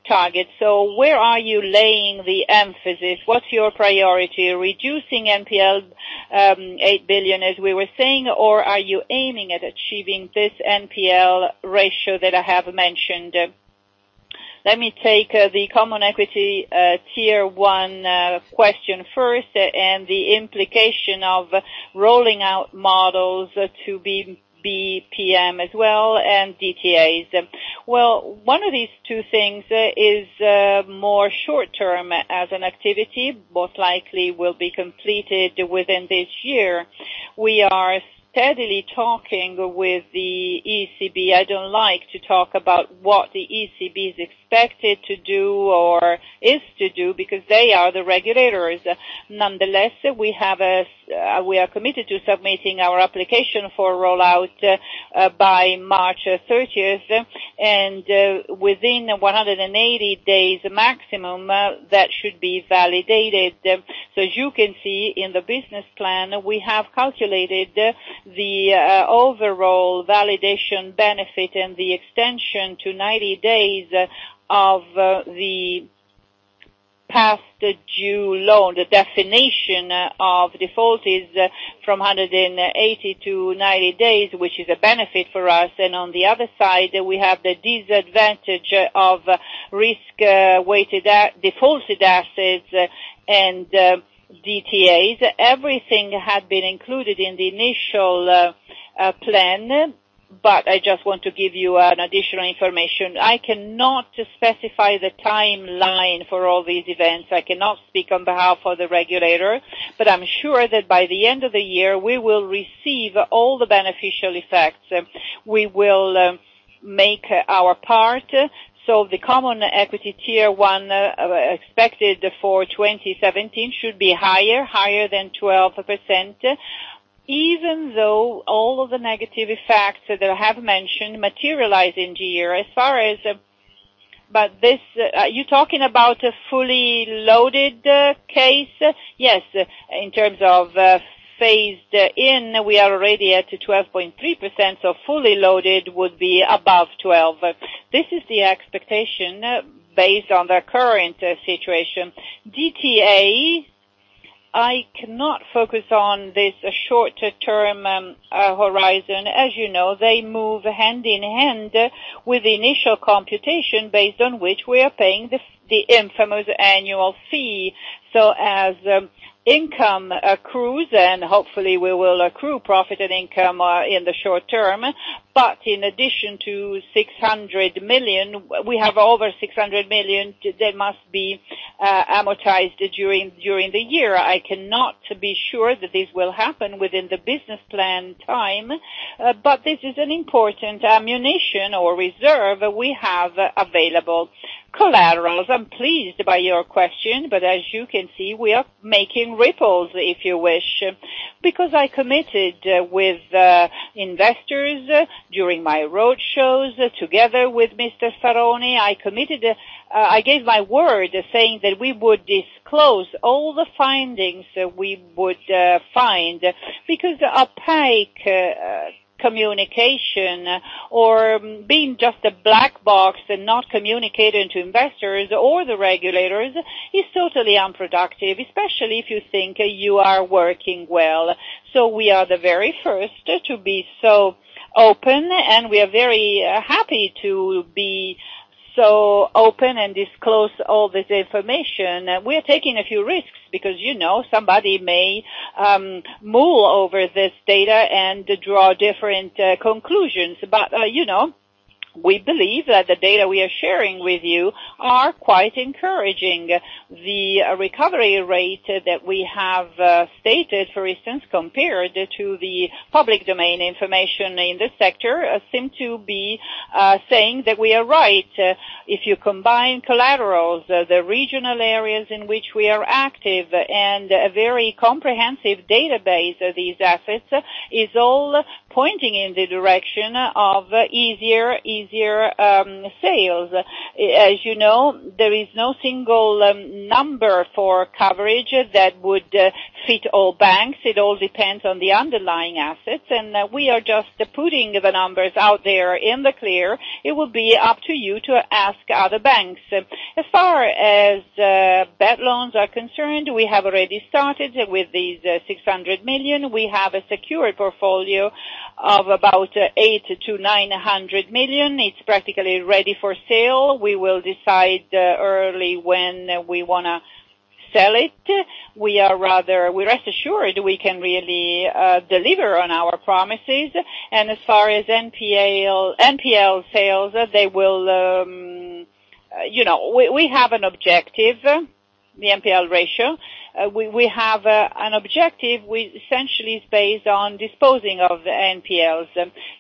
D: target. Where are you laying the emphasis? What's your priority? Reducing NPL 8 billion, as we were saying, or are you aiming at achieving this NPL ratio that I have mentioned?
C: Let me take the common equity tier one question first, and the implication of rolling out models to be BPM as well, and DTAs. Well, one of these two things is more short-term as an activity, most likely will be completed within this year. We are steadily talking with the ECB. I don't like to talk about what the ECB is expected to do or is to do, because they are the regulators. Nonetheless, we are committed to submitting our application for rollout by March 30th, and within 180 days maximum, that should be validated. As you can see in the business plan, we have calculated the overall validation benefit and the extension to 90 days of the past due loan. The definition of default is from 180 to 90 days, which is a benefit for us. On the other side, we have the disadvantage of risk-weighted defaulted assets and DTAs. Everything had been included in the initial plan, I just want to give you an additional information. I cannot specify the timeline for all these events. I cannot speak on behalf of the regulator, but I'm sure that by the end of the year, we will receive all the beneficial effects. We will make our part. The common equity tier one expected for 2017 should be higher than 12%, even though all of the negative effects that I have mentioned materialize in the year. As far as about this, are you talking about a fully loaded case? Yes, in terms of phased in, we are already at 12.3%, so fully loaded would be above 12. This is the expectation based on the current situation. DTAs, I cannot focus on this short-term horizon. As you know, they move hand-in-hand with the initial computation based on which we are paying the infamous annual fee. As income accrues, and hopefully we will accrue profit and income in the short term, in addition to 600 million, we have over 600 million that must be amortized during the year. I cannot be sure that this will happen within the business plan time, this is an important ammunition or reserve we have available. Collaterals. I'm pleased by your question, as you can see, we are making ripples if you wish, because I committed with investors during my road shows together with Mr. Cerrone. I gave my word saying that we would disclose all the findings we would find, because opaque communication or being just a black box and not communicating to investors or the regulators is totally unproductive, especially if you think you are working well. We are the very first to be so open, and we are very happy to be so open and disclose all this information. We're taking a few risks because somebody may mull over this data and draw different conclusions. We believe that the data we are sharing with you are quite encouraging. The recovery rate that we have stated, for instance, compared to the public domain information in this sector seem to be saying that we are right. If you combine collaterals, the regional areas in which we are active, and a very comprehensive database of these assets is all pointing in the direction of easier sales. As you know, there is no single number for coverage that would fit all banks. It all depends on the underlying assets, and we are just putting the numbers out there in the clear. It would be up to you to ask other banks. As far as bad loans are concerned, we have already started with these 600 million. We have a secured portfolio of about 800 million-900 million. It's practically ready for sale. We will decide early when we want to sell it. We rest assured we can really deliver on our promises. As far as NPL sales, we have an objective, the NPL ratio. We have an objective, which essentially is based on disposing of the NPLs.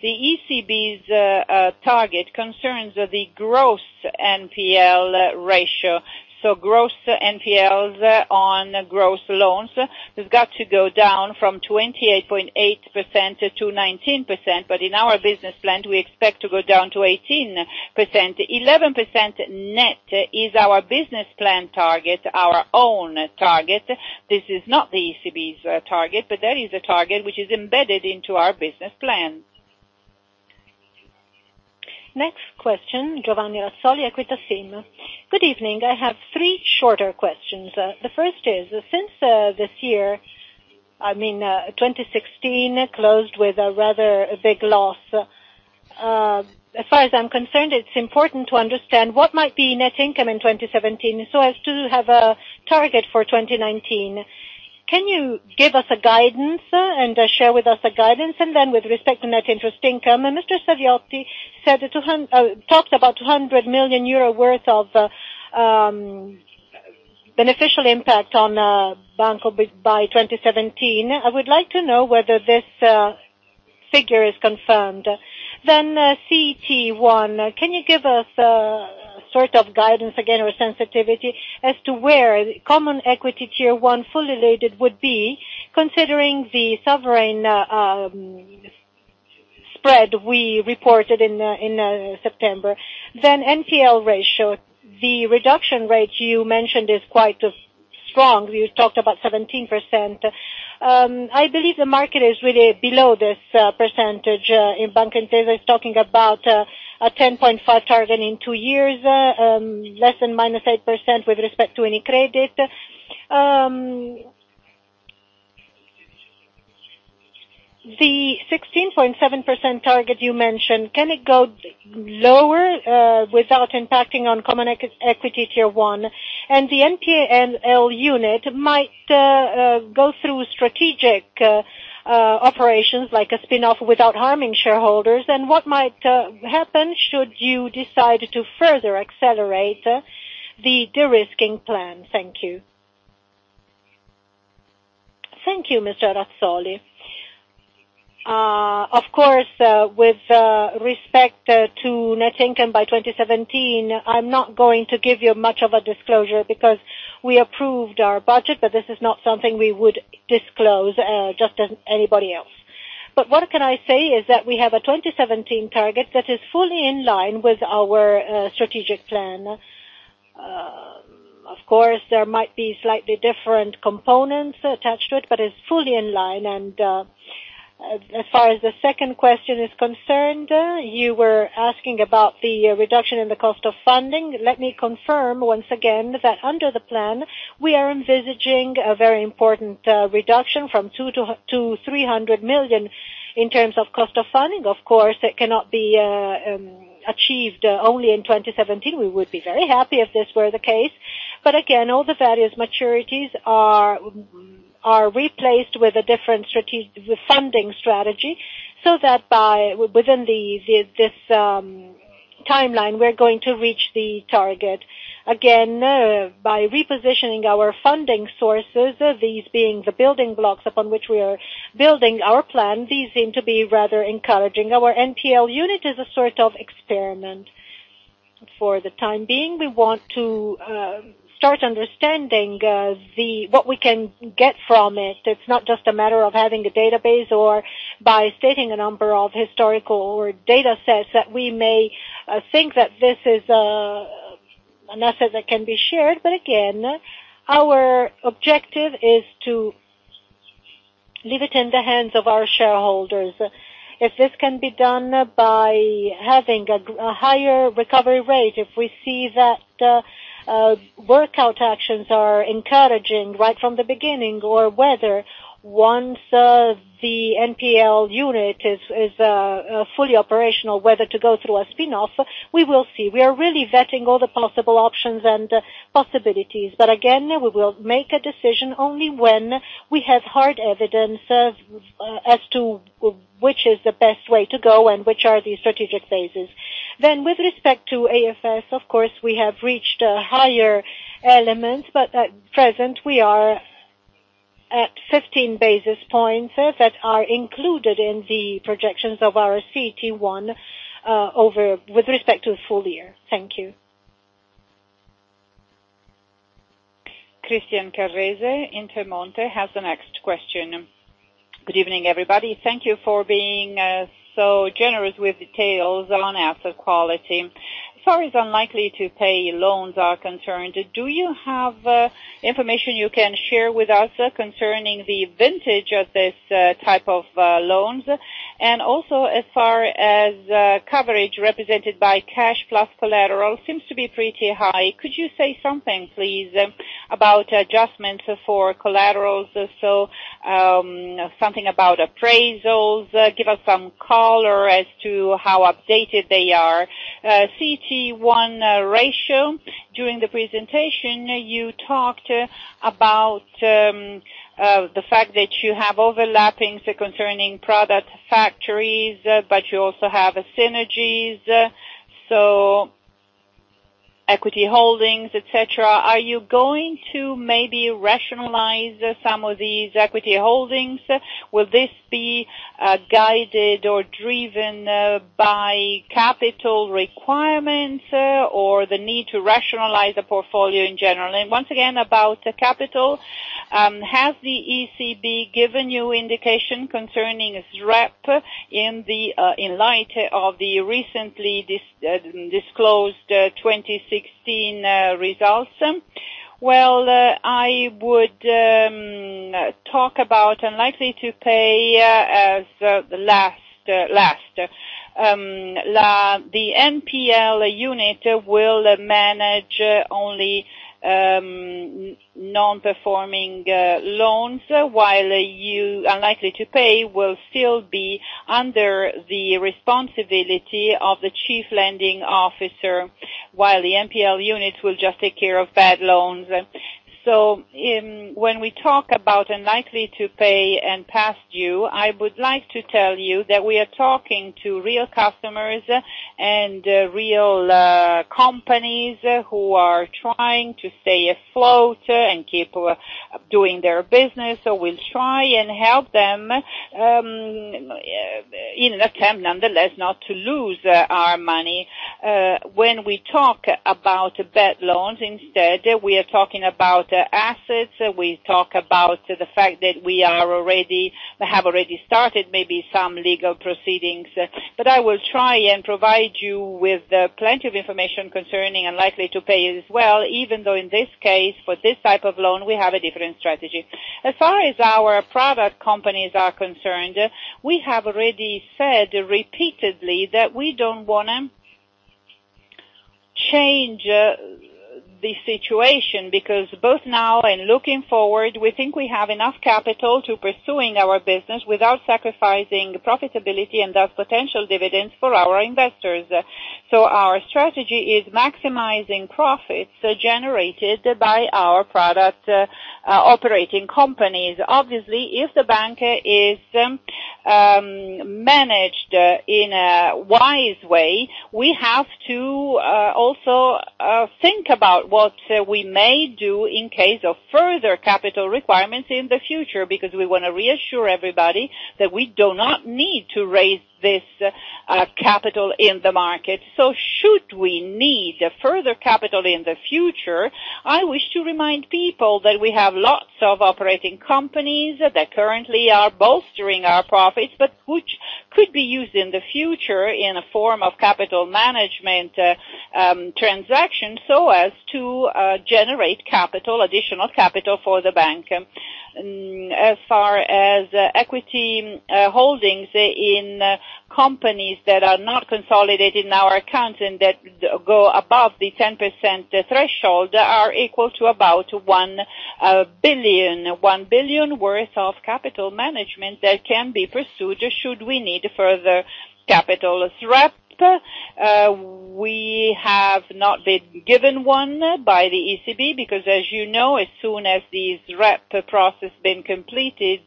C: The ECB's target concerns the gross NPL ratio. Gross NPLs on gross loans has got to go down from 28.8% to 19%, but in our business plan, we expect to go down to 18%. 11% net is our business plan target, our own target. This is not the ECB's target, but that is a target which is embedded into our business plan.
A: Next question, Giovanni Razzoli, Equita SIM. Good evening. I have three shorter questions. The first is, since this year, I mean, 2016, closed with a rather big loss
E: As far as I'm concerned, it's important to understand what might be net income in 2017 so as to have a target for 2019. Can you give us a guidance and share with us a guidance? With respect to net interest income, Mr. Saviotti talked about 200 million euro worth of beneficial impact on Banco by 2017. I would like to know whether this figure is confirmed. CET1, can you give us a sort of guidance again, or sensitivity as to where common equity Tier 1 fully weighted would be, considering the sovereign spread we reported in September? NPL ratio, the reduction rate you mentioned is quite strong. You talked about 17%. I believe the market is really below this percentage in Banco BPM talking about a 10.5% target in two years, less than -8% with respect to UniCredit. The 16.7% target you mentioned, can it go lower without impacting on common equity Tier 1? The NPL unit might go through strategic operations like a spin-off without harming shareholders. What might happen should you decide to further accelerate the de-risking plan? Thank you.
C: Thank you, Mr. Azzoli. Of course, with respect to net income by 2017, I'm not going to give you much of a disclosure because we approved our budget, this is not something we would disclose just as anybody else. What can I say is that we have a 2017 target that is fully in line with our strategic plan. Of course, there might be slightly different components attached to it, but it's fully in line. As far as the second question is concerned, you were asking about the reduction in the cost of funding. Let me confirm once again that under the plan, we are envisaging a very important reduction from 200 million to 300 million in terms of cost of funding. Of course, it cannot be achieved only in 2017. We would be very happy if this were the case. Again, all the various maturities are replaced with a different funding strategy, so that within this timeline, we're going to reach the target. Again, by repositioning our funding sources, these being the building blocks upon which we are building our plan, these seem to be rather encouraging. Our NPL unit is a sort of experiment. For the time being, we want to start understanding what we can get from it. It's not just a matter of having a database or by stating a number of historical or data sets that we may think that this is an asset that can be shared. Again, our objective is to leave it in the hands of our shareholders. If this can be done by having a higher recovery rate, if we see that workout actions are encouraging right from the beginning, or whether once the NPL unit is fully operational, whether to go through a spin-off, we will see. We are really vetting all the possible options and possibilities. Again, we will make a decision only when we have hard evidence as to which is the best way to go and which are the strategic phases. With respect to AFS, of course, we have reached a higher element, but at present, we are at 15 basis points that are included in the projections of our CET1 with respect to full year. Thank you.
A: Christian Carrese, Intermonte, has the next question.
F: Good evening, everybody. Thank you for being so generous with details on asset quality. As far as unlikely to pay loans are concerned, do you have information you can share with us concerning the vintage of this type of loans? Also, as far as coverage represented by cash plus collateral seems to be pretty high. Could you say something, please, about adjustments for collaterals? So something about appraisals, give us some color as to how updated they are. CET1 ratio, during the presentation, you talked about the fact that you have overlappings concerning product factories, but you also have synergies, so equity holdings, et cetera. Are you going to maybe rationalize some of these equity holdings? Will this be guided or driven by capital requirements or the need to rationalize the portfolio in general? Once again, about capital, has the ECB given you indication concerning SREP in light of the recently disclosed 2016 results?
C: Well, I would talk about unlikely to pay as the last. The NPL unit will manage only. Non-performing loans, while you are likely to pay, will still be under the responsibility of the chief lending officer, while the NPL unit will just take care of bad loans. When we talk about unlikely to pay and past due, I would like to tell you that we are talking to real customers and real companies who are trying to stay afloat and keep doing their business. We'll try and help them in an attempt, nonetheless, not to lose our money. When we talk about bad loans instead, we are talking about assets. We talk about the fact that we have already started maybe some legal proceedings. I will try and provide you with plenty of information concerning unlikely to pay as well, even though in this case, for this type of loan, we have a different strategy. As far as our product companies are concerned, we have already said repeatedly that we don't want to change the situation, because both now and looking forward, we think we have enough capital to pursuing our business without sacrificing profitability and thus potential dividends for our investors. Our strategy is maximizing profits generated by our product operating companies. Obviously, if the bank is managed in a wise way, we have to also think about what we may do in case of further capital requirements in the future, because we want to reassure everybody that we do not need to raise this capital in the market. Should we need further capital in the future, I wish to remind people that we have lots of operating companies that currently are bolstering our profits, but which could be used in the future in a form of capital management transaction so as to generate additional capital for the bank. As far as equity holdings in companies that are not consolidated in our accounts and that go above the 10% threshold are equal to about 1 billion worth of capital management that can be pursued should we need further capital. SREP, we have not been given one by the ECB because as you know, as soon as the SREP process been completed,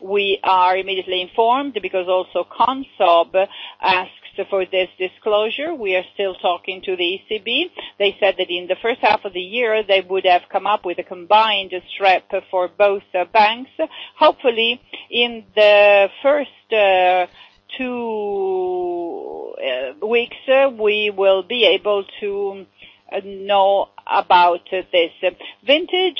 C: we are immediately informed because also Consob asks for this disclosure. We are still talking to the ECB. They said that in the first half of the year, they would have come up with a combined SREP for both banks. Hopefully, in the first two weeks, we will be able to know about this. Vintage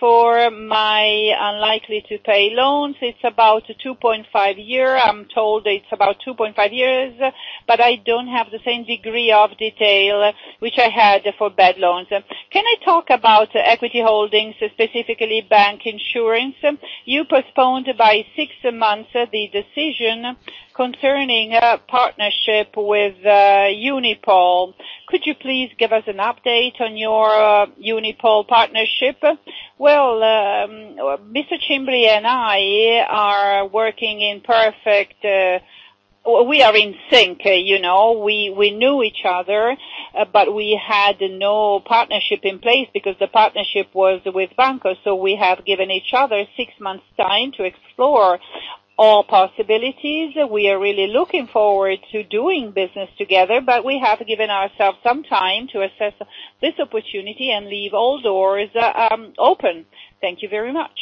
C: for my unlikely-to-pay loans, it's about 2.5 year. I'm told it's about 2.5 years, but I don't have the same degree of detail which I had for bad loans. Can I talk about equity holdings, specifically bank insurance? You postponed by six months the decision concerning partnership with Unipol. Could you please give us an update on your Unipol partnership? Well, Mr. Cimbri and I are working. We are in sync. We knew each other, but we had no partnership in place because the partnership was with Banco. We have given each other six months time to explore all possibilities. We are really looking forward to doing business together, we have given ourselves some time to assess this opportunity and leave all doors open. Thank you very much.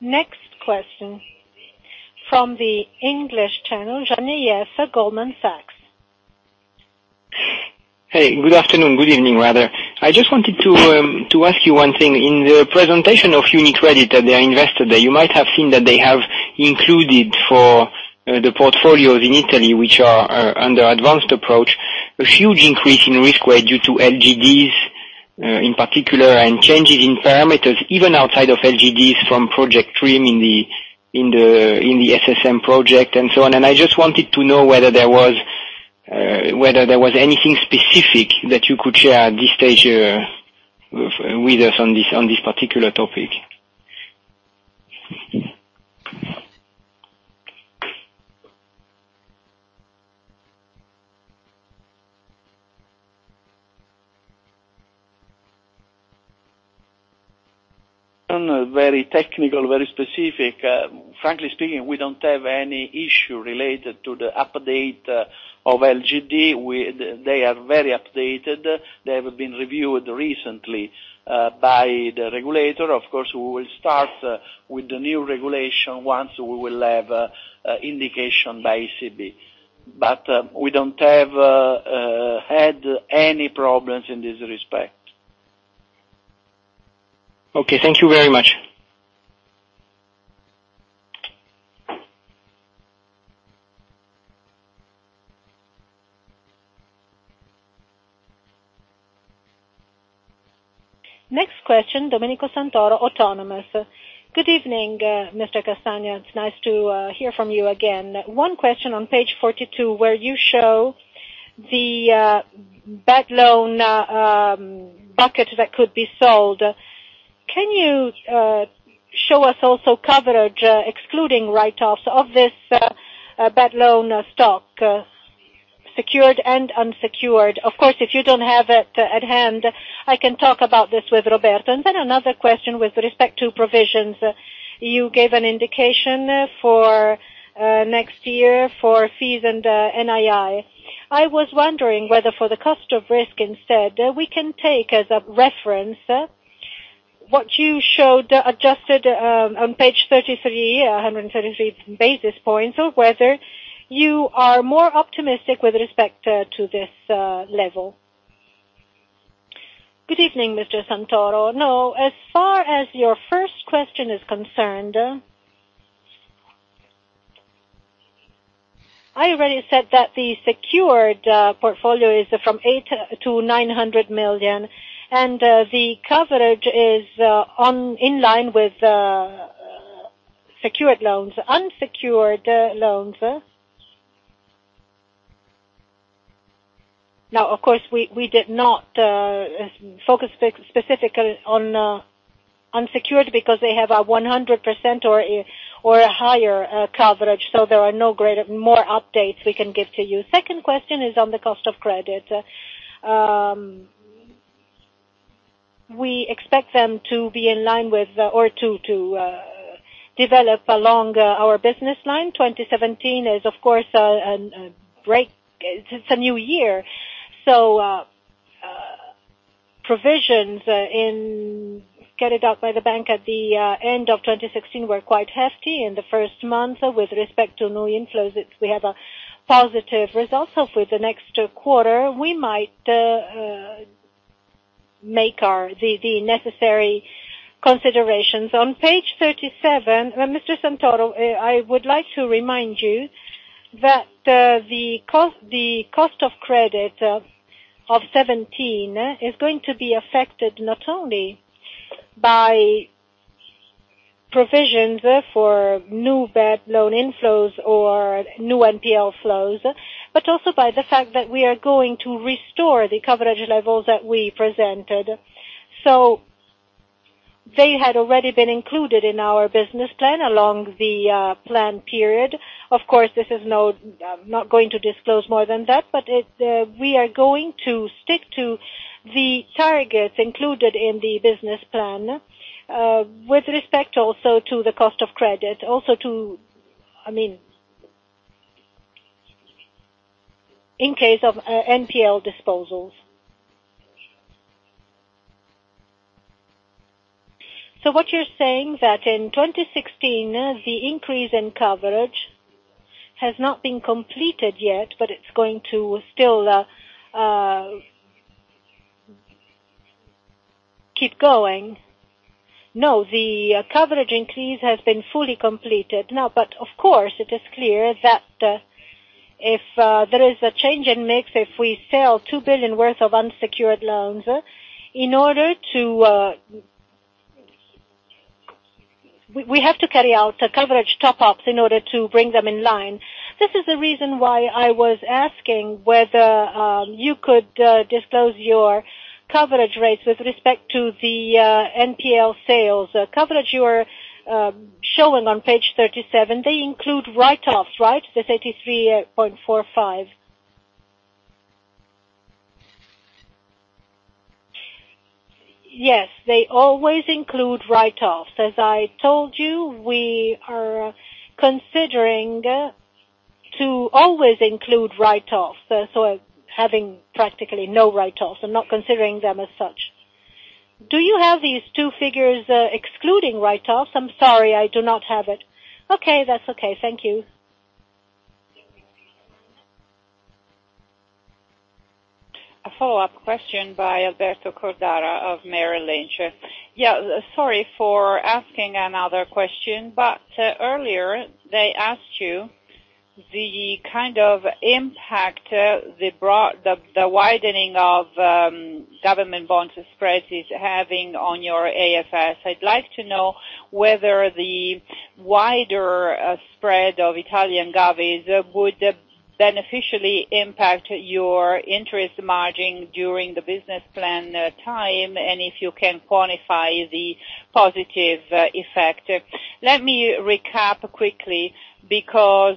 A: Next question from the English channel, Jean-Yves, Goldman Sachs.
G: Hey, good afternoon, good evening, rather. I just wanted to ask you one thing. In the presentation of UniCredit that they invested there, you might have seen that they have included for the portfolios in Italy, which are under advanced approach, a huge increase in risk weight due to LGDs in particular, and changes in parameters, even outside of LGDs from Project TRIM in the SSM project and so on. I just wanted to know whether there was anything specific that you could share at this stage with us on this particular topic.
B: Very technical, very specific. Frankly speaking, we don't have any issue related to the update of LGD. They are very updated. They have been reviewed recently by the regulator. Of course, we will start with the new regulation once we will have indication by ECB. We don't had any problems in this respect.
G: Okay, thank you very much.
A: Next question, Domenico Santoro, Autonomous.
H: Good evening, Mr. Castagna. It's nice to hear from you again. One question on page 42 where you show the bad loan bucket that could be sold. Can you show us also coverage excluding write-offs of this bad loan stock, secured and unsecured? Of course, if you don't have it at hand, I can talk about this with Roberto. Then another question with respect to provisions. You gave an indication for next year for fees and NII. I was wondering whether for the cost of risk instead, we can take as a reference what you showed adjusted on page 33, 173 basis points, or whether you are more optimistic with respect to this level. Good evening, Mr. Santoro.
C: No, as far as your first question is concerned, I already said that the secured portfolio is from 800 million to 900 million, and the coverage is in line with secured loans. Unsecured loans, of course, we did not focus specifically on unsecured because they have a 100% or a higher coverage, so there are no more updates we can give to you. Second question is on the cost of credit. We expect them to be in line with, or to develop along our business line. 2017 is, of course, a break. It's a new year, so provisions carried out by the bank at the end of 2016 were quite hefty in the first month. With respect to new inflows, we have a positive result. For the next quarter, we might make the necessary considerations. On page 37, Mr. Santoro, I would like to remind you that the cost of credit of 2017 is going to be affected not only by provisions for new bad loan inflows or new NPL flows, but also by the fact that we are going to restore the coverage levels that we presented. They had already been included in our business plan along the plan period. Of course, I'm not going to disclose more than that, but we are going to stick to the targets included in the business plan, with respect also to the cost of credit, also in case of NPL disposals. What you're saying that in 2016, the increase in coverage has not been completed yet, but it's going to still keep going? The coverage increase has been fully completed. Of course, it is clear that if there is a change in mix, if we sell 2 billion worth of unsecured loans, we have to carry out coverage top-ups in order to bring them in line. This is the reason why I was asking whether you could disclose your coverage rates with respect to the NPL sales.
H: Coverage you are showing on page 37, they include write-offs, right? The 33.45%.
C: Yes. They always include write-offs. As I told you, we are considering to always include write-offs, so having practically no write-offs and not considering them as such.
H: Do you have these two figures excluding write-offs?
C: I'm sorry, I do not have it.
H: Okay. That's okay. Thank you.
A: A follow-up question by Alberto Cordara of Merrill Lynch. Sorry for asking another question, but earlier they asked you the kind of impact the widening of government bond spreads is having on your AFS. I'd like to know whether the wider spread of Italian govies would beneficially impact your interest margin during the business plan time, and if you can quantify the positive effect.
C: Let me recap quickly because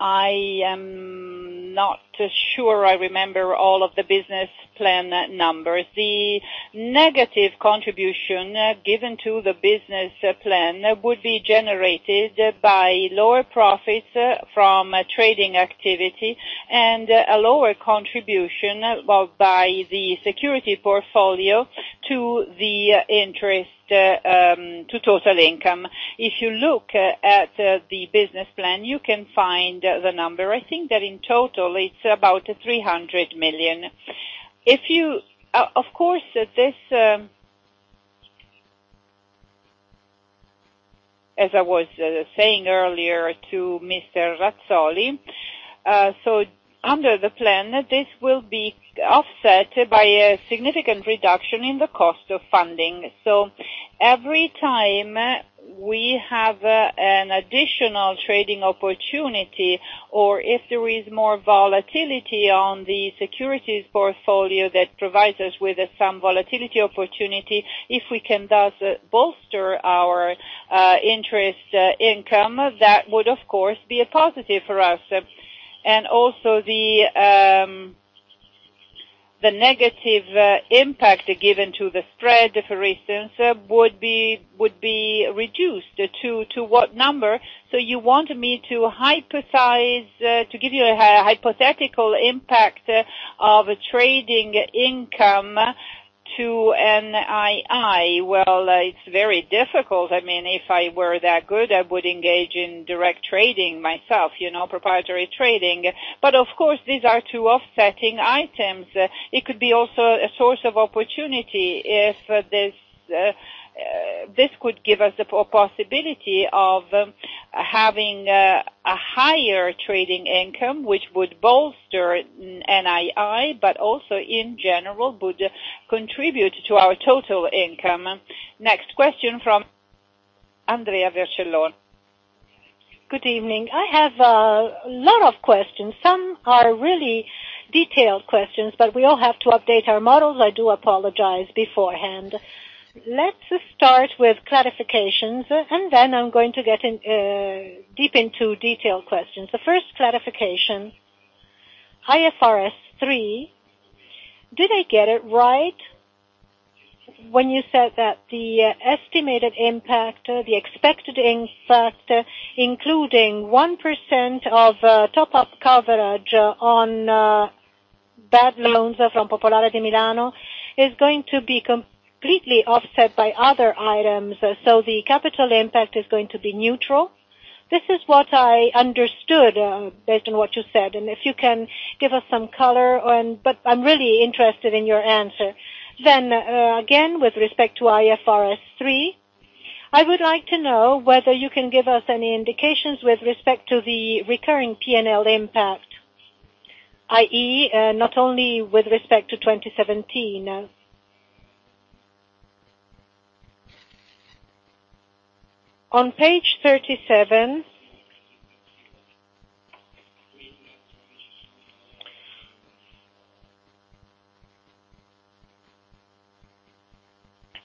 C: I am not sure I remember all of the business plan numbers. The negative contribution given to the business plan would be generated by lower profits from trading activity and a lower contribution by the security portfolio to total income. If you look at the business plan, you can find the number. I think that in total it's about 300 million. As I was saying earlier to Mr. Azzoli, under the plan, this will be offset by a significant reduction in the cost of funding. Every time we have an additional trading opportunity, or if there is more volatility on the securities portfolio that provides us with some volatility opportunity, if we can thus bolster our interest income, that would, of course, be a positive for us. Also the negative impact given to the spread, for instance, would be reduced. To what number? You want me to give you a hypothetical impact of trading income to NII? Well, it's very difficult. If I were that good, I would engage in direct trading myself, proprietary trading. Of course, these are two offsetting items. It could be also a source of opportunity. This could give us a possibility of having a higher trading income, which would bolster NII, but also in general, would contribute to our total income.
A: Next question from Andrea Vercellone.
I: Good evening. I have a lot of questions. Some are really detailed questions, but we all have to update our models. I do apologize beforehand. Let's start with clarifications, and then I'm going to get deep into detailed questions. The first clarification, IFRS 3, did I get it right when you said that the estimated impact, the expected impact, including 1% of top-up coverage on bad loans from Popolare di Milano, is going to be completely offset by other items, so the capital impact is going to be neutral? This is what I understood based on what you said, and if you can give us some color, but I'm really interested in your answer. Again, with respect to IFRS 3, I would like to know whether you can give us any indications with respect to the recurring P&L impact, i.e., not only with respect to 2017. On page 37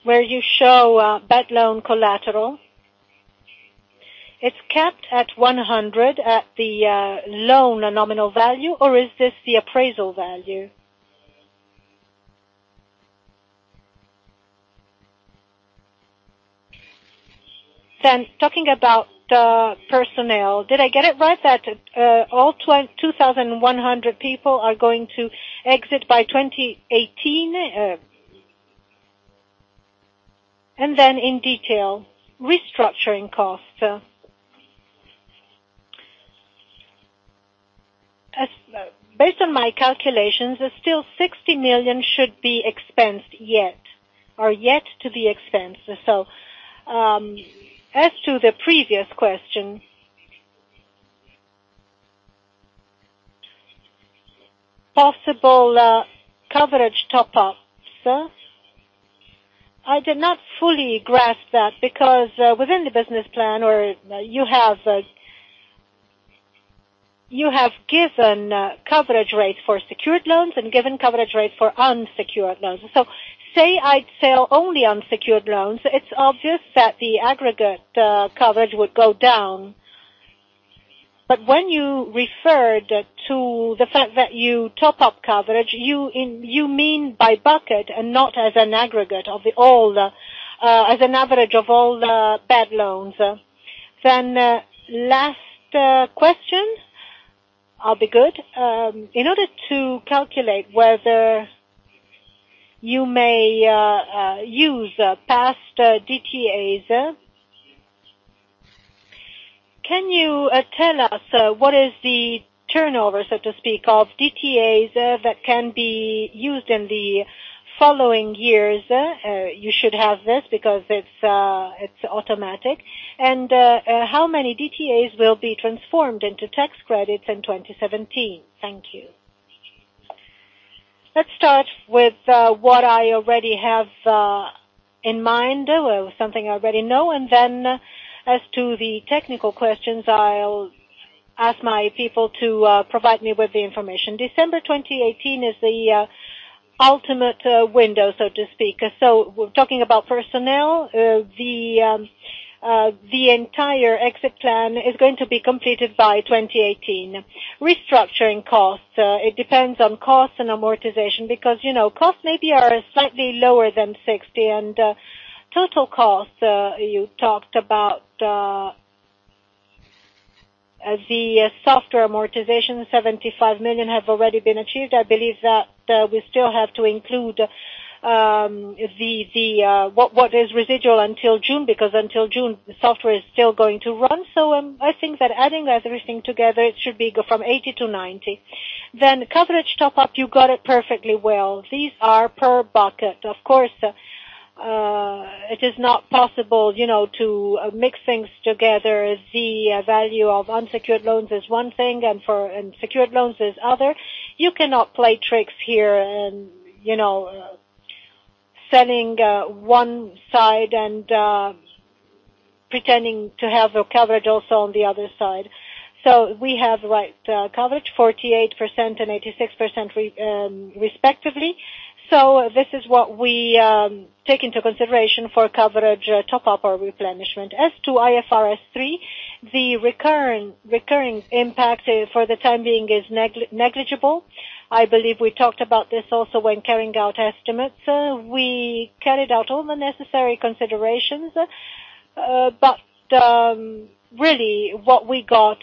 I: where you show bad loan collateral, it's capped at 100 at the loan nominal value, or is this the appraisal value? Talking about the personnel, did I get it right that all 2,100 people are going to exit by 2018? In detail, restructuring costs. Based on my calculations, still 60 million should be expensed yet or yet to be expensed. As to the previous question, possible coverage top-ups. I did not fully grasp that because within the business plan you have given coverage rates for secured loans and given coverage rates for unsecured loans. Say I'd sell only unsecured loans, it's obvious that the aggregate coverage would go down. But when you referred to the fact that you top-up coverage, you mean by bucket and not as an average of all the bad loans. Last questions, I'll be good. In order to calculate whether you may use past DTAs, can you tell us what is the turnover, so to speak, of DTAs that can be used in the following years? You should have this because it's automatic. How many DTAs will be transformed into tax credits in 2017? Thank you.
C: Let's start with what I already have in mind, or something I already know, and then as to the technical questions, I'll ask my people to provide me with the information. December 2018 is the ultimate window, so to speak. We're talking about personnel. The entire exit plan is going to be completed by 2018. Restructuring costs, it depends on cost and amortization because costs maybe are slightly lower than 60, and total cost, you talked about the software amortization, 75 million have already been achieved. I believe that we still have to include what is residual until June, because until June, the software is still going to run. I think that adding everything together, it should go from 80 to 90. Coverage top up, you got it perfectly well. These are per bucket. Of course, it is not possible to mix things together. The value of unsecured loans is one thing, and secured loans is other. You cannot play tricks here and selling one side and pretending to have a coverage also on the other side. We have the right coverage, 48% and 86% respectively. This is what we take into consideration for coverage top up or replenishment. As to IFRS 3, the recurring impact for the time being is negligible. I believe we talked about this also when carrying out estimates. We carried out all the necessary considerations, but really what we got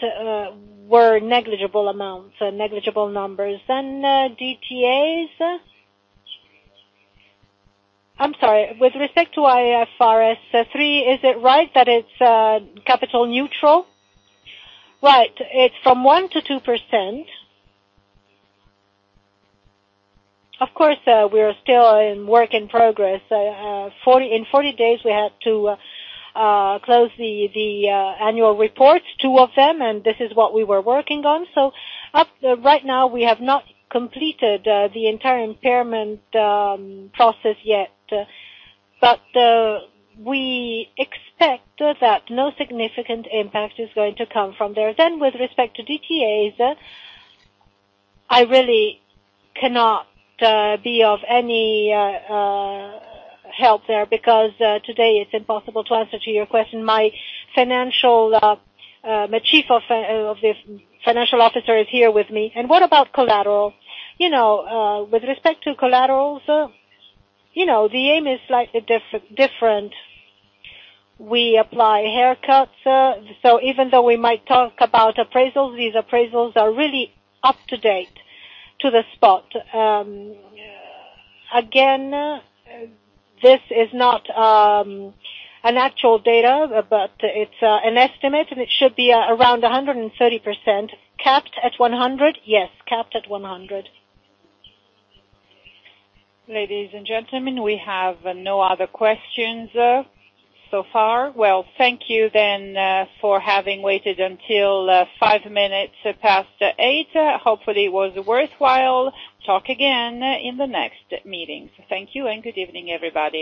C: were negligible amounts, negligible numbers. DTAs?
I: I'm sorry. With respect to IFRS 3, is it right that it's capital neutral?
C: Right. It's from 1%-2%. Of course, we are still in work in progress. In 40 days we had to close the annual reports, two of them. This is what we were working on. Right now we have not completed the entire impairment process yet. We expect that no significant impact is going to come from there. With respect to DTAs, I really cannot be of any help there, because today it's impossible to answer to your question. My chief financial officer is here with me. What about collateral? With respect to collaterals, the aim is slightly different. We apply haircuts. Even though we might talk about appraisals, these appraisals are really up to date, to the spot. Again, this is not an actual data, but it's an estimate, and it should be around 130%.
I: Capped at 100?
C: Yes, capped at 100. Ladies and gentlemen, we have no other questions so far. Well, thank you then for having waited until 8:05 P.M. Hopefully it was worthwhile. Talk again in the next meeting. Thank you and good evening, everybody